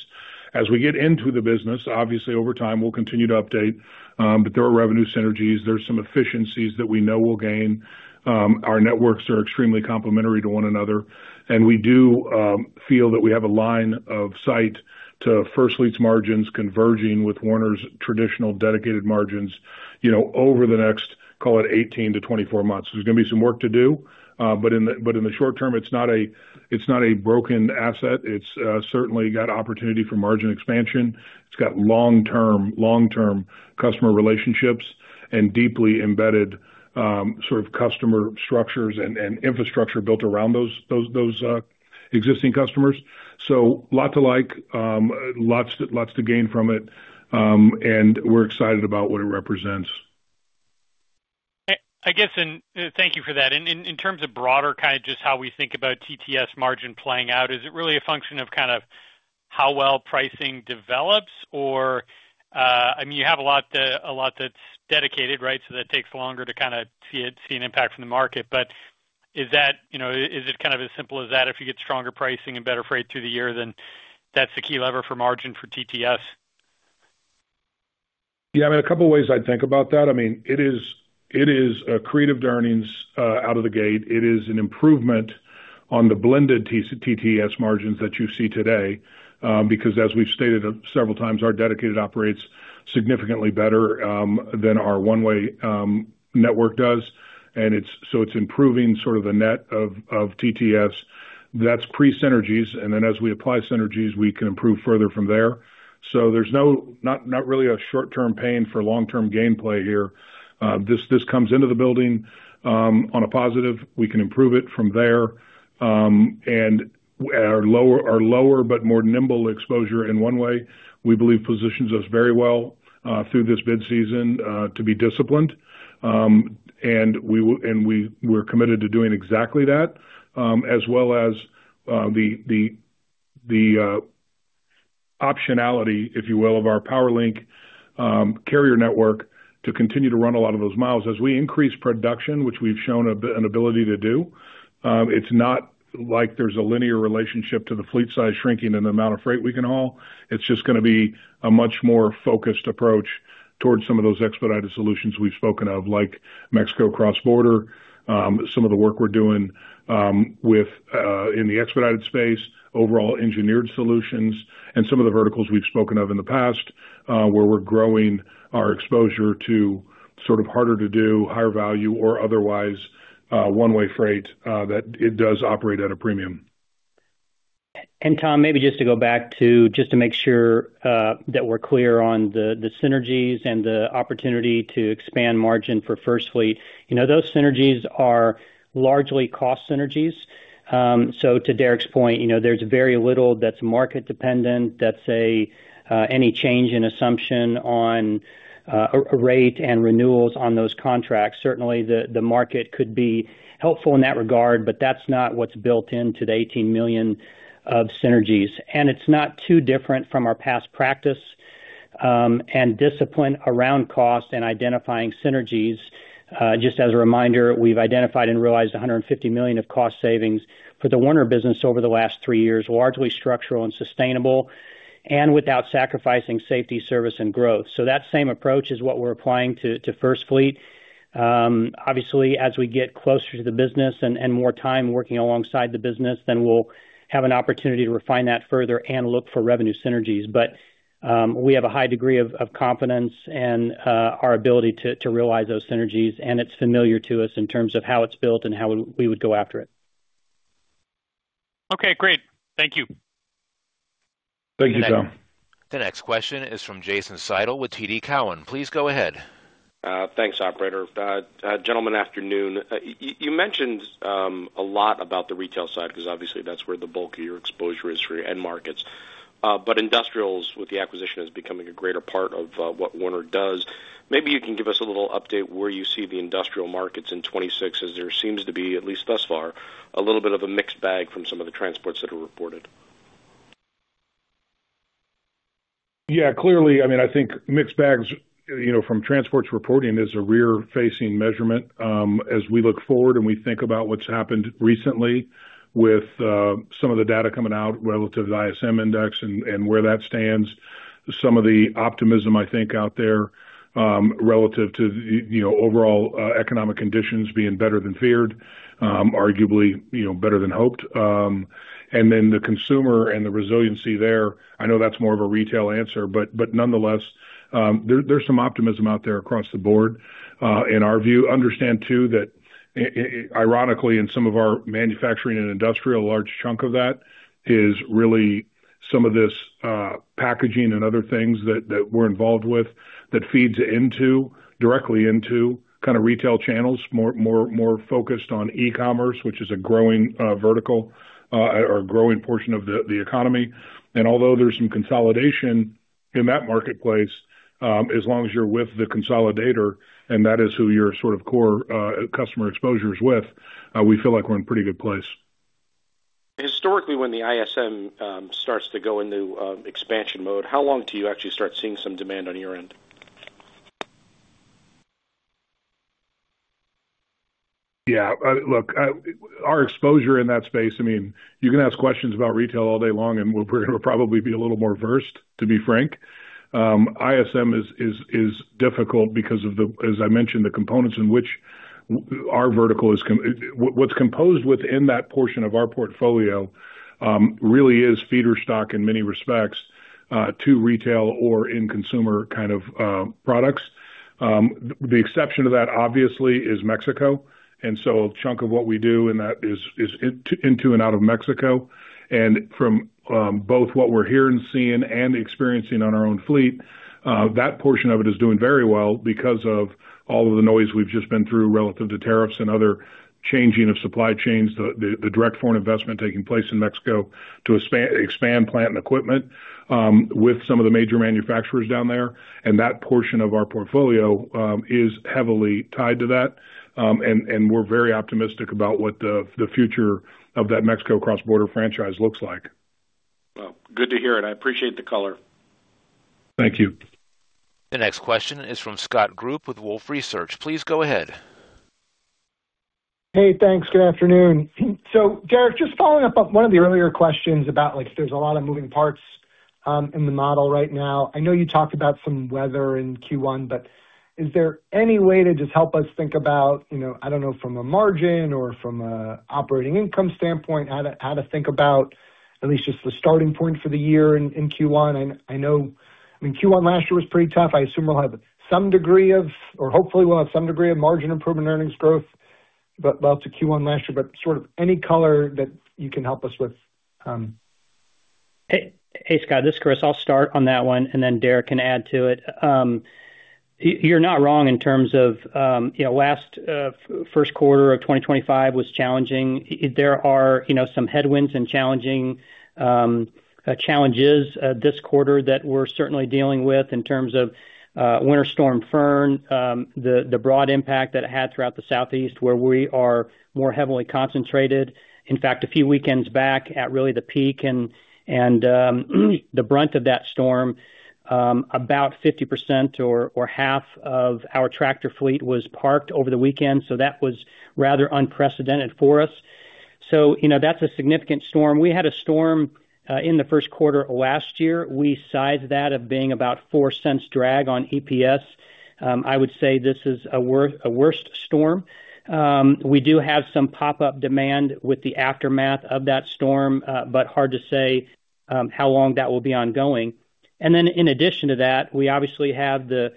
As we get into the business, obviously, over time, we'll continue to update. There are revenue synergies. There's some efficiencies that we know we'll gain. Our networks are extremely complementary to one another. We do feel that we have a line of sight to FirstFleet's margins converging with Werner's traditional Dedicated margins over the next, call it, 18 months-24 months. There's going to be some work to do. In the short term, it's not a broken asset. It's certainly got opportunity for margin expansion. It's got long-term customer relationships and deeply embedded sort of customer structures and infrastructure built around those existing customers. So lot to like, lots to gain from it. And we're excited about what it represents. I guess thank you for that. And in terms of broader kind of just how we think about TTS margin playing out, is it really a function of kind of how well pricing develops? Or I mean, you have a lot that's Dedicated, right? So that takes longer to kind of see an impact from the market. But is it kind of as simple as that? If you get stronger pricing and better freight through the year, then that's the key lever for margin for TTS? Yeah, I mean, a couple of ways I think about that. I mean, it is a creative earnings out of the gate. It is an improvement on the blended TTS margins that you see today because, as we've stated several times, our Dedicated operates significantly better than our One-Way network does. And so it's improving sort of the net of TTS. That's pre-synergies. And then as we apply synergies, we can improve further from there. So there's not really a short-term pain for long-term gameplay here. This comes into the building on a positive. We can improve it from there. And our lower but more nimble exposure in One-Way, we believe, positions us very well through this bid season to be disciplined. And we're committed to doing exactly that as well as the optionality, if you will, of our PowerLink carrier network to continue to run a lot of those miles. As we increase production, which we've shown an ability to do, it's not like there's a linear relationship to the fleet size shrinking and the amount of freight we can haul. It's just going to be a much more focused approach towards some of those expedited solutions we've spoken of, like Mexico cross-border, some of the work we're doing in the expedited space, overall engineered solutions, and some of the verticals we've spoken of in the past where we're growing our exposure to sort of harder-to-do, higher-value, or otherwise One-Way freight that it does operate at a premium. And Tom, maybe just to go back to just to make sure that we're clear on the synergies and the opportunity to expand margin for FirstFleet, those synergies are largely cost synergies. So to Derek's point, there's very little that's market-dependent. That's any change in assumption on a rate and renewals on those contracts. Certainly, the market could be helpful in that regard, but that's not what's built into the $18 million of synergies. It's not too different from our past practice and discipline around cost and identifying synergies. Just as a reminder, we've identified and realized $150 million of cost savings for the Werner business over the last three years, largely structural and sustainable and without sacrificing safety, service, and growth. That same approach is what we're applying to FirstFleet. Obviously, as we get closer to the business and more time working alongside the business, then we'll have an opportunity to refine that further and look for revenue synergies. We have a high degree of confidence in our ability to realize those synergies. It's familiar to us in terms of how it's built and how we would go after it. Okay, great. Thank you. Thank you, Tom. The next question is from Jason Seidl with TD Cowen. Please go ahead. Thanks, operator. Gentlemen, afternoon. You mentioned a lot about the retail side because, obviously, that's where the bulk of your exposure is for your end markets. But industrials, with the acquisition, is becoming a greater part of what Werner does. Maybe you can give us a little update where you see the industrial markets in 2026 as there seems to be, at least thus far, a little bit of a mixed bag from some of the transports that are reported. Yeah, clearly. I mean, I think mixed bags from transports reporting is a rear-facing measurement. As we look forward and we think about what's happened recently with some of the data coming out relative to the ISM Index and where that stands, some of the optimism, I think, out there relative to the overall economic conditions being better than feared, arguably better than hoped. And then the consumer and the resiliency there, I know that's more of a retail answer, but nonetheless, there's some optimism out there across the board, in our view. Understand, too, that, ironically, in some of our manufacturing and industrial, a large chunk of that is really some of this packaging and other things that we're involved with that feeds directly into kind of retail channels, more focused on e-commerce, which is a growing vertical or growing portion of the economy. Although there's some consolidation in that marketplace, as long as you're with the consolidator, and that is who your sort of core customer exposure is with, we feel like we're in a pretty good place. Historically, when the ISM starts to go into expansion mode, how long do you actually start seeing some demand on your end? Yeah. Look, our exposure in that space, I mean, you can ask questions about retail all day long, and we're going to probably be a little more versed, to be frank. ISM is difficult because of, as I mentioned, the components in which our vertical is what's composed within that portion of our portfolio really is feeder stock in many respects to retail or in-consumer kind of products. The exception to that, obviously, is Mexico. And so a chunk of what we do in that is into and out of Mexico. From both what we're hearing and seeing and experiencing on our own fleet, that portion of it is doing very well because of all of the noise we've just been through relative to tariffs and other changing of supply chains, the direct foreign investment taking place in Mexico to expand plant and equipment with some of the major manufacturers down there. That portion of our portfolio is heavily tied to that. We're very optimistic about what the future of that Mexico cross-border franchise looks like. Well, good to hear it. I appreciate the color. Thank you. The next question is from Scott Group with Wolfe Research. Please go ahead. Hey, thanks. Good afternoon. So, Derek, just following up on one of the earlier questions about if there's a lot of moving parts in the model right now. I know you talked about some weather in Q1, but is there any way to just help us think about, I don't know, from a margin or from an operating income standpoint, how to think about at least just the starting point for the year in Q1? I mean, Q1 last year was pretty tough. I assume we'll have some degree of or hopefully, we'll have some degree of margin improvement, earnings growth, but about Q1 last year. But sort of any color that you can help us with. Hey, Scott. This is Chris. I'll start on that one, and then Derek can add to it. You're not wrong in terms of last first quarter of 2025 was challenging. There are some headwinds and challenges this quarter that we're certainly dealing with in terms of Winter Storm Fern, the broad impact that it had throughout the Southeast where we are more heavily concentrated. In fact, a few weekends back, at really the peak and the brunt of that storm, about 50% or half of our tractor fleet was parked over the weekend. So that was rather unprecedented for us. So that's a significant storm. We had a storm in the first quarter of last year. We sized that as being about $0.04 drag on EPS. I would say this is a worse storm. We do have some pop-up demand with the aftermath of that storm, but hard to say how long that will be ongoing. And then in addition to that, we obviously have the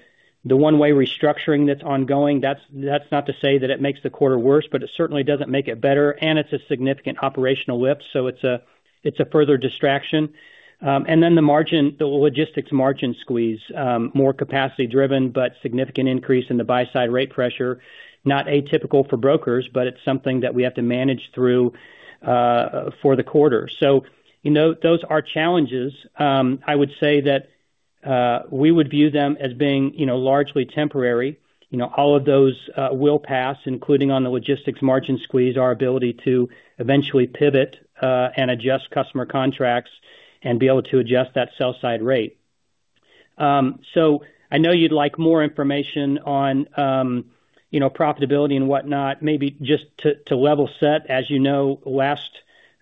One-Way restructuring that's ongoing. That's not to say that it makes the quarter worse, but it certainly doesn't make it better. And it's a significant operational lift. So it's a further distraction. And then the Logistics margin squeeze, more capacity-driven but significant increase in the buy-side rate pressure, not atypical for brokers, but it's something that we have to manage through for the quarter. So those are challenges. I would say that we would view them as being largely temporary. All of those will pass, including on the Logistics margin squeeze, our ability to eventually pivot and adjust customer contracts and be able to adjust that sell-side rate. So I know you'd like more information on profitability and whatnot, maybe just to level set. As you know, last year,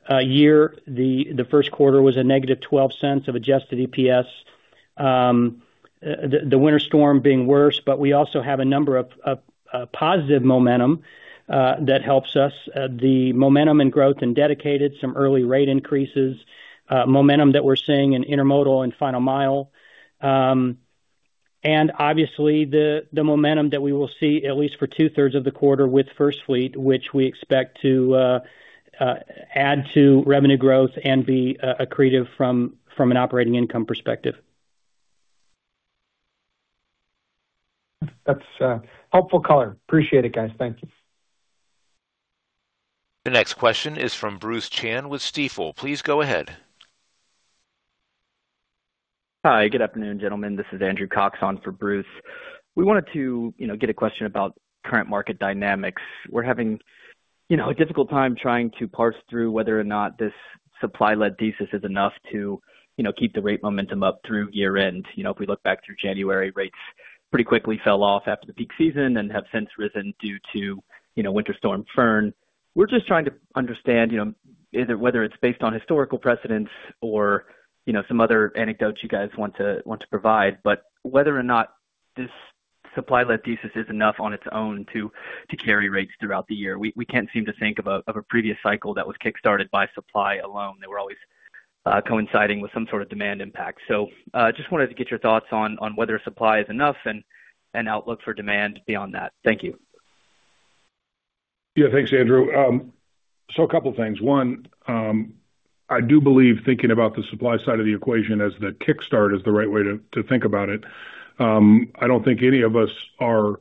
the first quarter was a negative $0.12 of adjusted EPS, the winter storm being worse. But we also have a number of positive momentum that helps us, the momentum in growth and Dedicated, some early rate increases, momentum that we're seeing in Intermodal and Final Mile. And obviously, the momentum that we will see, at least for 2/3 of the quarter, with FirstFleet, which we expect to add to revenue growth and be accretive from an operating income perspective. That's helpful color. Appreciate it, guys. Thank you. The next question is from Bruce Chan with Stifel. Please go ahead. Hi. Good afternoon, gentlemen. This is Andrew Cox on for Bruce. We wanted to get a question about current market dynamics. We're having a difficult time trying to parse through whether or not this supply-led thesis is enough to keep the rate momentum up through year-end. If we look back through January, rates pretty quickly fell off after the peak season and have since risen due to Winter Storm Fern. We're just trying to understand whether it's based on historical precedents or some other anecdotes you guys want to provide, but whether or not this supply-led thesis is enough on its own to carry rates throughout the year. We can't seem to think of a previous cycle that was kickstarted by supply alone. They were always coinciding with some sort of demand impact. So just wanted to get your thoughts on whether supply is enough and outlook for demand beyond that. Thank you. Yeah, thanks, Andrew. So a couple of things. One, I do believe thinking about the supply side of the equation as the kickstart is the right way to think about it. I don't think any of us are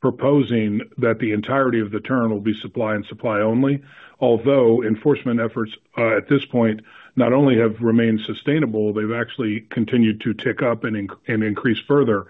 proposing that the entirety of the turn will be supply and supply only, although enforcement efforts at this point not only have remained sustainable, they've actually continued to tick up and increase further.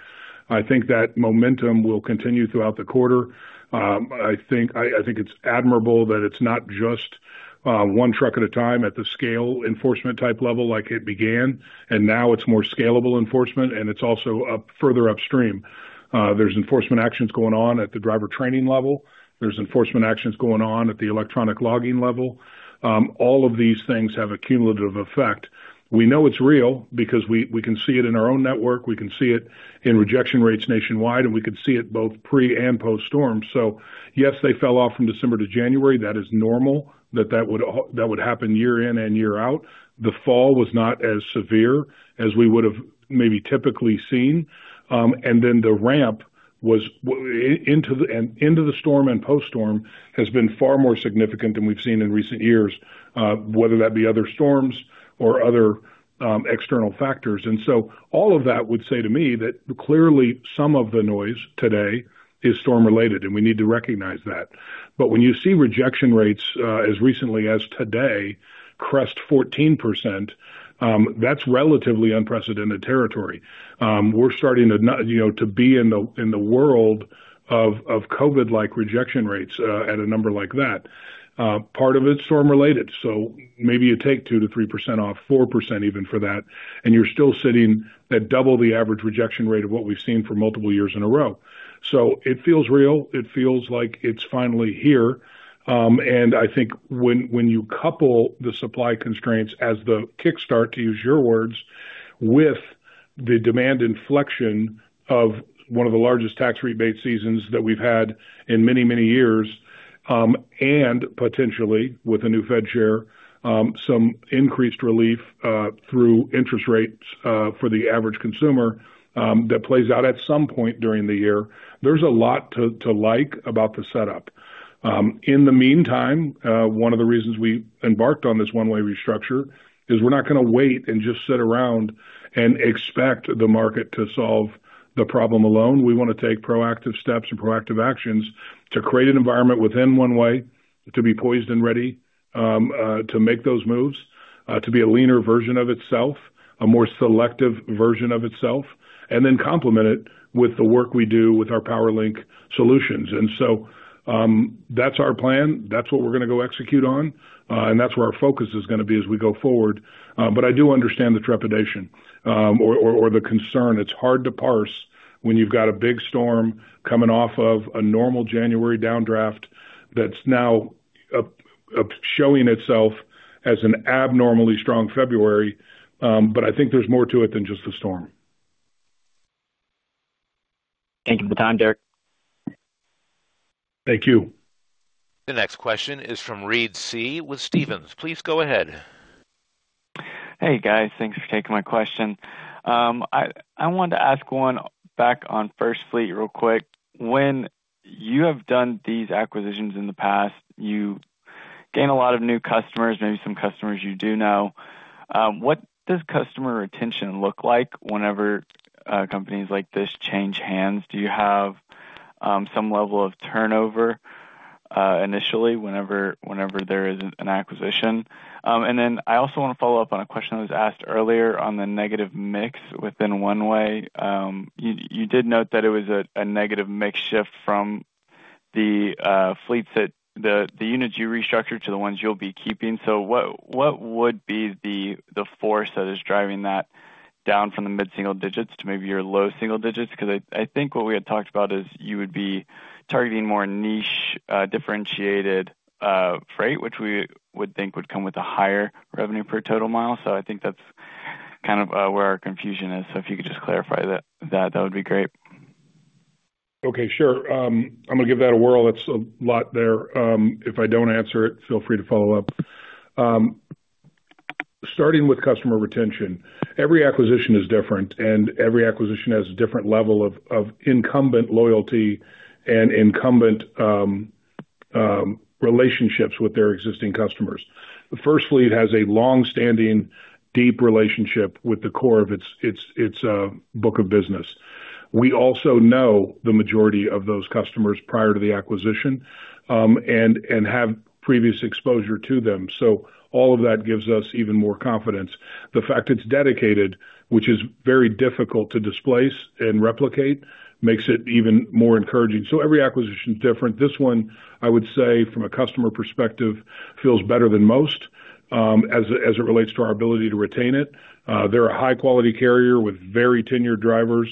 I think that momentum will continue throughout the quarter. I think it's admirable that it's not just one truck at a time at the scale enforcement type level like it began, and now it's more scalable enforcement, and it's also further upstream. There's enforcement actions going on at the driver training level. There's enforcement actions going on at the electronic logging level. All of these things have a cumulative effect. We know it's real because we can see it in our own network. We can see it in rejection rates nationwide, and we can see it both pre and post-storm. So yes, they fell off from December to January. That is normal that that would happen year-in and year-out. The fall was not as severe as we would have maybe typically seen. And then the ramp into the storm and post-storm has been far more significant than we've seen in recent years, whether that be other storms or other external factors. And so all of that would say to me that clearly, some of the noise today is storm-related, and we need to recognize that. But when you see rejection rates as recently as today crest 14%, that's relatively unprecedented territory. We're starting to be in the world of COVID-like rejection rates at a number like that. Part of it's storm-related. So maybe you take 2%-3% off, 4% even for that, and you're still sitting at double the average rejection rate of what we've seen for multiple years in a row. So it feels real. It feels like it's finally here. I think when you couple the supply constraints, as the kickstart, to use your words, with the demand inflection of one of the largest tax rebate seasons that we've had in many, many years, and potentially, with a new Fed chair, some increased relief through interest rates for the average consumer that plays out at some point during the year, there's a lot to like about the setup. In the meantime, one of the reasons we embarked on this One-Way restructure is we're not going to wait and just sit around and expect the market to solve the problem alone. We want to take proactive steps and proactive actions to create an environment within One-Way to be poised and ready to make those moves, to be a leaner version of itself, a more selective version of itself, and then complement it with the work we do with our PowerLink solutions. And so that's our plan. That's what we're going to go execute on. And that's where our focus is going to be as we go forward. But I do understand the trepidation or the concern. It's hard to parse when you've got a big storm coming off of a normal January downdraft that's now showing itself as an abnormally strong February. But I think there's more to it than just the storm. Thank you for the time, Derek. Thank you. The next question is from Reed Seay with Stephens. Please go ahead. Hey, guys. Thanks for taking my question. I wanted to ask one back on FirstFleet real quick. When you have done these acquisitions in the past, you gain a lot of new customers, maybe some customers you do know. What does customer retention look like whenever companies like this change hands? Do you have some level of turnover initially whenever there is an acquisition? And then I also want to follow up on a question that was asked earlier on the negative mix within One-Way. You did note that it was a negative mix shift from the fleets that the units you restructure to the ones you'll be keeping. So what would be the force that is driving that down from the mid-single digits to maybe your low single digits? Because I think what we had talked about is you would be targeting more niche, differentiated freight, which we would think would come with a higher revenue per total mile. So I think that's kind of where our confusion is. So if you could just clarify that, that would be great. Okay, sure. I'm going to give that a whirl. That's a lot there. If I don't answer it, feel free to follow up. Starting with customer retention, every acquisition is different, and every acquisition has a different level of incumbent loyalty and incumbent relationships with their existing customers. FirstFleet has a longstanding, deep relationship with the core of its book of business. We also know the majority of those customers prior to the acquisition and have previous exposure to them. So all of that gives us even more confidence. The fact it's Dedicated, which is very difficult to displace and replicate, makes it even more encouraging. So every acquisition is different. This one, I would say, from a customer perspective, feels better than most as it relates to our ability to retain it. They're a high-quality carrier with very tenured drivers,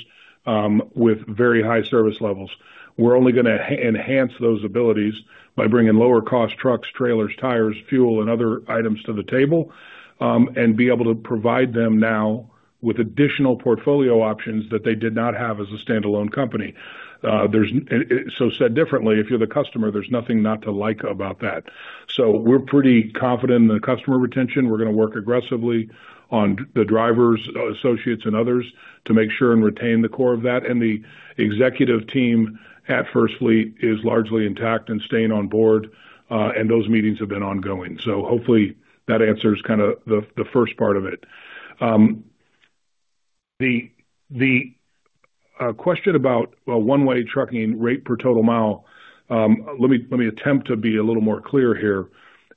with very high service levels. We're only going to enhance those abilities by bringing lower-cost trucks, trailers, tires, fuel, and other items to the table and be able to provide them now with additional portfolio options that they did not have as a standalone company. So said differently, if you're the customer, there's nothing not to like about that. So we're pretty confident in the customer retention. We're going to work aggressively on the drivers, associates, and others to make sure and retain the core of that. The executive team at FirstFleet is largely intact and staying on board, and those meetings have been ongoing. So hopefully, that answers kind of the first part of it. The question about One-Way trucking rate per total mile, let me attempt to be a little more clear here.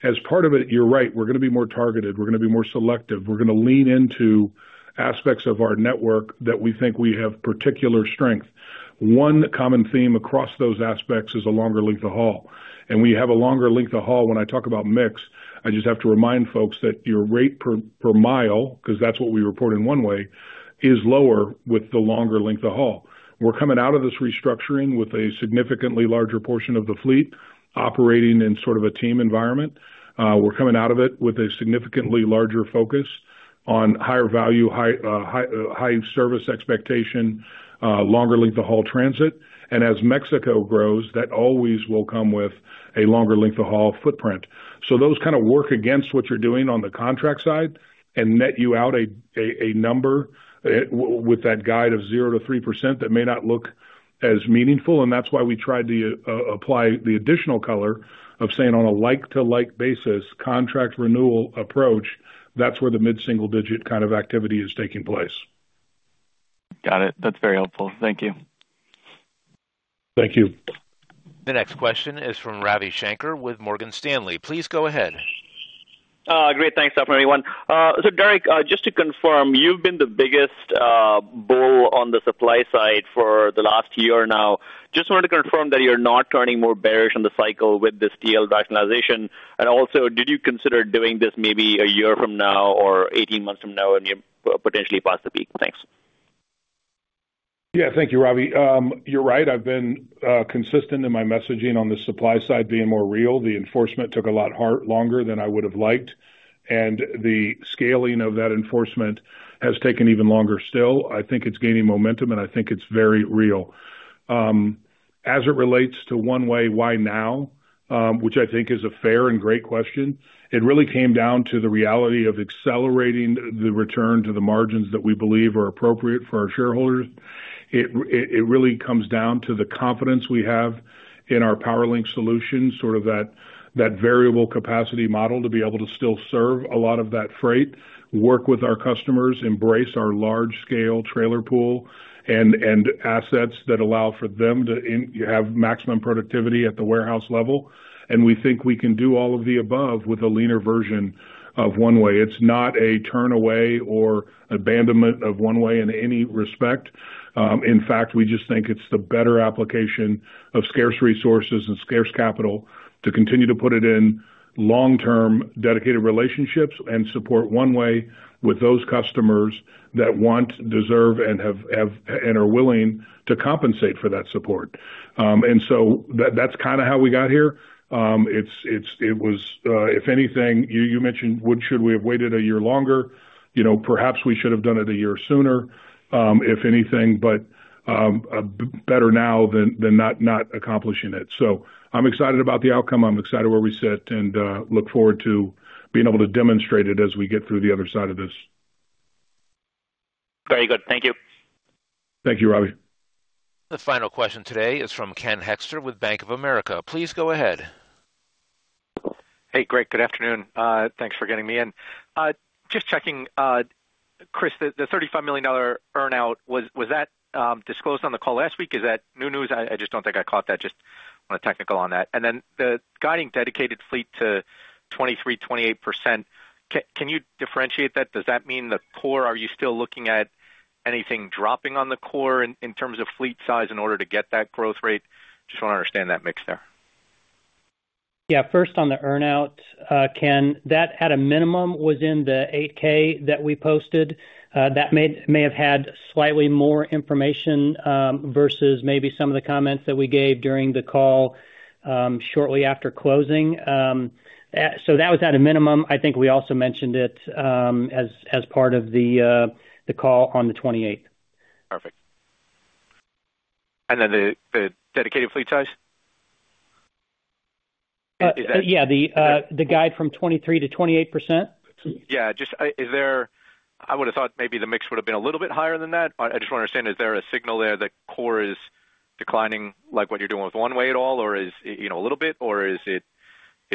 As part of it, you're right. We're going to be more targeted. We're going to be more selective. We're going to lean into aspects of our network that we think we have particular strength. One common theme across those aspects is a longer length of haul. And we have a longer length of haul. When I talk about mix, I just have to remind folks that your rate per mile because that's what we report in One-Way is lower with the longer length of haul. We're coming out of this restructuring with a significantly larger portion of the fleet operating in sort of a team environment. We're coming out of it with a significantly larger focus on higher value, high service expectation, longer length of haul transit. And as Mexico grows, that always will come with a longer length of haul footprint. So those kind of work against what you're doing on the contract side and net you out a number with that guide of 0%-3% that may not look as meaningful. And that's why we tried to apply the additional color of saying on a like-to-like basis, contract renewal approach, that's where the mid-single digit kind of activity is taking place. Got it. That's very helpful. Thank you. Thank you. The next question is from Ravi Shanker with Morgan Stanley. Please go ahead. Great. Thanks, everyone. So Derek, just to confirm, you've been the biggest bull on the supply side for the last year now. Just wanted to confirm that you're not turning more bearish on the cycle with the fleet rationalization. And also, did you consider doing this maybe a year from now or 18 months from now when you potentially pass the peak? Thanks. Yeah, thank you, Ravi. You're right. I've been consistent in my messaging on the supply side being more real. The enforcement took a lot longer than I would have liked, and the scaling of that enforcement has taken even longer still. I think it's gaining momentum, and I think it's very real. As it relates to One-Way, why now, which I think is a fair and great question, it really came down to the reality of accelerating the return to the margins that we believe are appropriate for our shareholders. It really comes down to the confidence we have in our PowerLink solution, sort of that variable capacity model to be able to still serve a lot of that freight, work with our customers, embrace our large-scale trailer pool and assets that allow for them to have maximum productivity at the warehouse level. We think we can do all of the above with a leaner version of One-Way. It's not a turn away or abandonment of One-Way in any respect. In fact, we just think it's the better application of scarce resources and scarce capital to continue to put it in long-term Dedicated relationships and support One-Way with those customers that want, deserve, and are willing to compensate for that support. So that's kind of how we got here. It was, if anything, you mentioned, "Should we have waited a year longer? Perhaps we should have done it a year sooner, if anything, but better now than not accomplishing it." So I'm excited about the outcome. I'm excited where we sit and look forward to being able to demonstrate it as we get through the other side of this. Very good. Thank you. Thank you, Ravi. The final question today is from Ken Hoexter with Bank of America. Please go ahead. Hey, great. Good afternoon. Thanks for getting me in. Just checking, Chris, the $35 million earnout, was that disclosed on the call last week? Is that new news? I just don't think I caught that. Just want to be technical on that. And then the guiding Dedicated fleet to 23%, 28%, can you differentiate that? Does that mean the core are you still looking at anything dropping on the core in terms of fleet size in order to get that growth rate? Just want to understand that mix there. Yeah, first on the earnout, Ken, that at a minimum was in the 8-K that we posted. That may have had slightly more information versus maybe some of the comments that we gave during the call shortly after closing. So that was at a minimum. I think we also mentioned it as part of the call on the 28th. Perfect. And then the Dedicated fleet size? Is that? Yeah, the guide from 23%-28%? Yeah. I would have thought maybe the mix would have been a little bit higher than that. I just want to understand, is there a signal there that core is declining like what you're doing with One-Way at all, or is it a little bit? Or is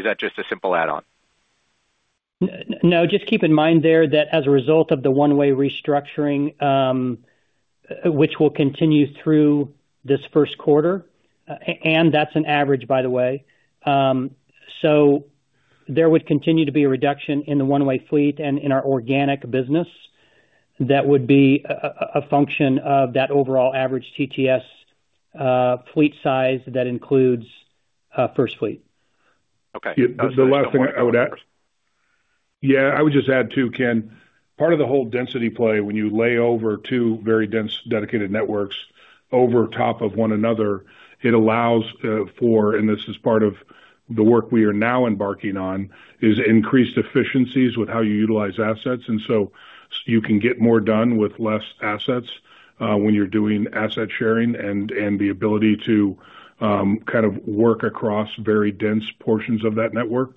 that just a simple add-on? No, just keep in mind there that as a result of the One-Way restructuring, which will continue through this first quarter - and that's an average, by the way - so there would continue to be a reduction in the One-Way fleet and in our organic business that would be a function of that overall average TTS fleet size that includes FirstFleet. Okay. The last thing I would add yeah, I would just add too, Ken, part of the whole density play when you lay over two very dense Dedicated networks over top of one another, it allows for - and this is part of the work we are now embarking on - increased efficiencies with how you utilize assets. And so you can get more done with less assets when you're doing asset sharing and the ability to kind of work across very dense portions of that network.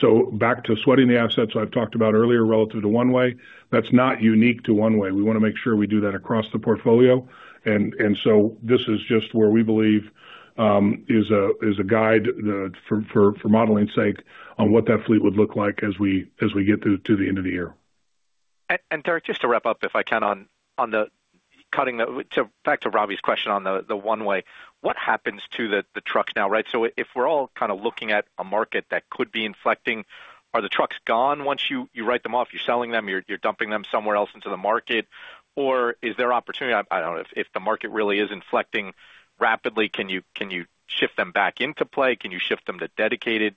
So back to sweating the assets I've talked about earlier relative to One-Way, that's not unique to One-Way. We want to make sure we do that across the portfolio. And so this is just where we believe is a guide for modeling's sake on what that fleet would look like as we get to the end of the year. Derek, just to wrap up if I can on the cutting back to Ravi's question on the One-Way, what happens to the trucks now, right? So if we're all kind of looking at a market that could be inflecting, are the trucks gone once you write them off? You're selling them. You're dumping them somewhere else into the market. Or is there opportunity? I don't know. If the market really is inflecting rapidly, can you shift them back into play? Can you shift them to Dedicated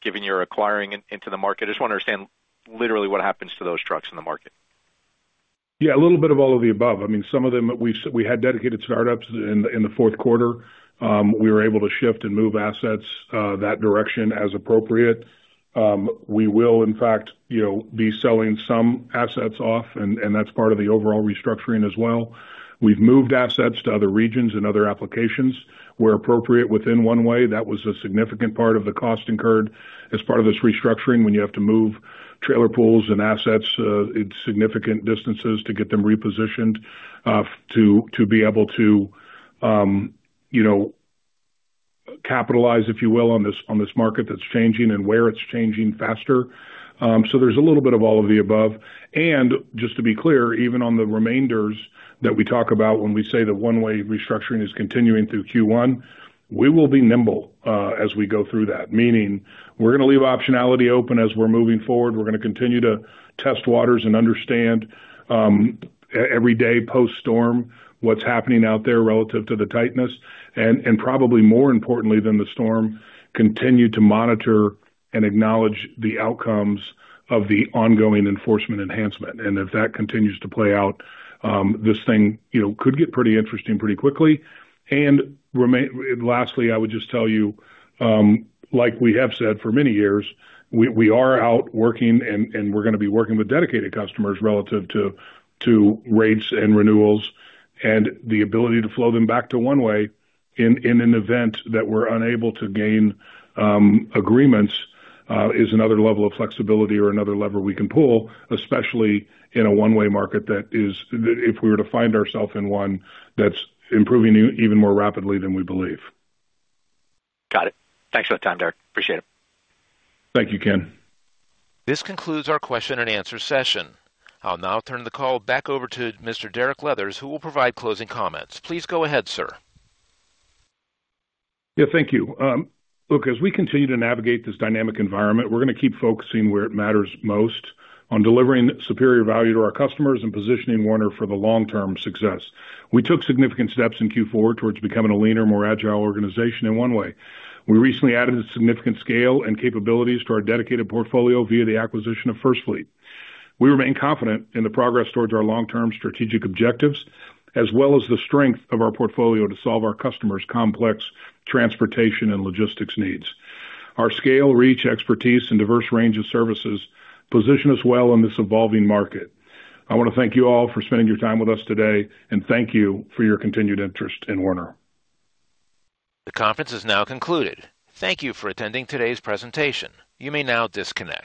given you're acquiring into the market? I just want to understand literally what happens to those trucks in the market. Yeah, a little bit of all of the above. I mean, some of them we had Dedicated startups in the fourth quarter. We were able to shift and move assets that direction as appropriate. We will, in fact, be selling some assets off, and that's part of the overall restructuring as well. We've moved assets to other regions and other applications where appropriate within One-Way. That was a significant part of the cost incurred as part of this restructuring when you have to move trailer pools and assets at significant distances to get them repositioned to be able to capitalize, if you will, on this market that's changing and where it's changing faster. So there's a little bit of all of the above. And just to be clear, even on the remainders that we talk about when we say the One-Way restructuring is continuing through Q1, we will be nimble as we go through that, meaning we're going to leave optionality open as we're moving forward. We're going to continue to test waters and understand every day post-storm what's happening out there relative to the tightness. Probably more importantly than the storm, continue to monitor and acknowledge the outcomes of the ongoing enforcement enhancement. If that continues to play out, this thing could get pretty interesting pretty quickly. Lastly, I would just tell you, like we have said for many years, we are out working, and we're going to be working with Dedicated customers relative to rates and renewals. The ability to flow them back to One-Way in an event that we're unable to gain agreements is another level of flexibility or another lever we can pull, especially in a One-Way market that is if we were to find ourself in one that's improving even more rapidly than we believe. Got it. Thanks for the time, Derek. Appreciate it. Thank you, Ken. This concludes our question and answer session. I'll now turn the call back over to Mr. Derek Leathers, who will provide closing comments. Please go ahead, sir. Yeah, thank you. Look, as we continue to navigate this dynamic environment, we're going to keep focusing where it matters most on delivering superior value to our customers and positioning Werner for the long-term success. We took significant steps in Q4 towards becoming a leaner, more agile organization in One-Way. We recently added significant scale and capabilities to our Dedicated portfolio via the acquisition of FirstFleet. We remain confident in the progress towards our long-term strategic objectives as well as the strength of our portfolio to solve our customers' complex transportation and Logistics needs. Our scale, reach, expertise, and diverse range of services position us well in this evolving market. I want to thank you all for spending your time with us today, and thank you for your continued interest in Werner. The conference is now concluded. Thank you for attending today's presentation. You may now disconnect.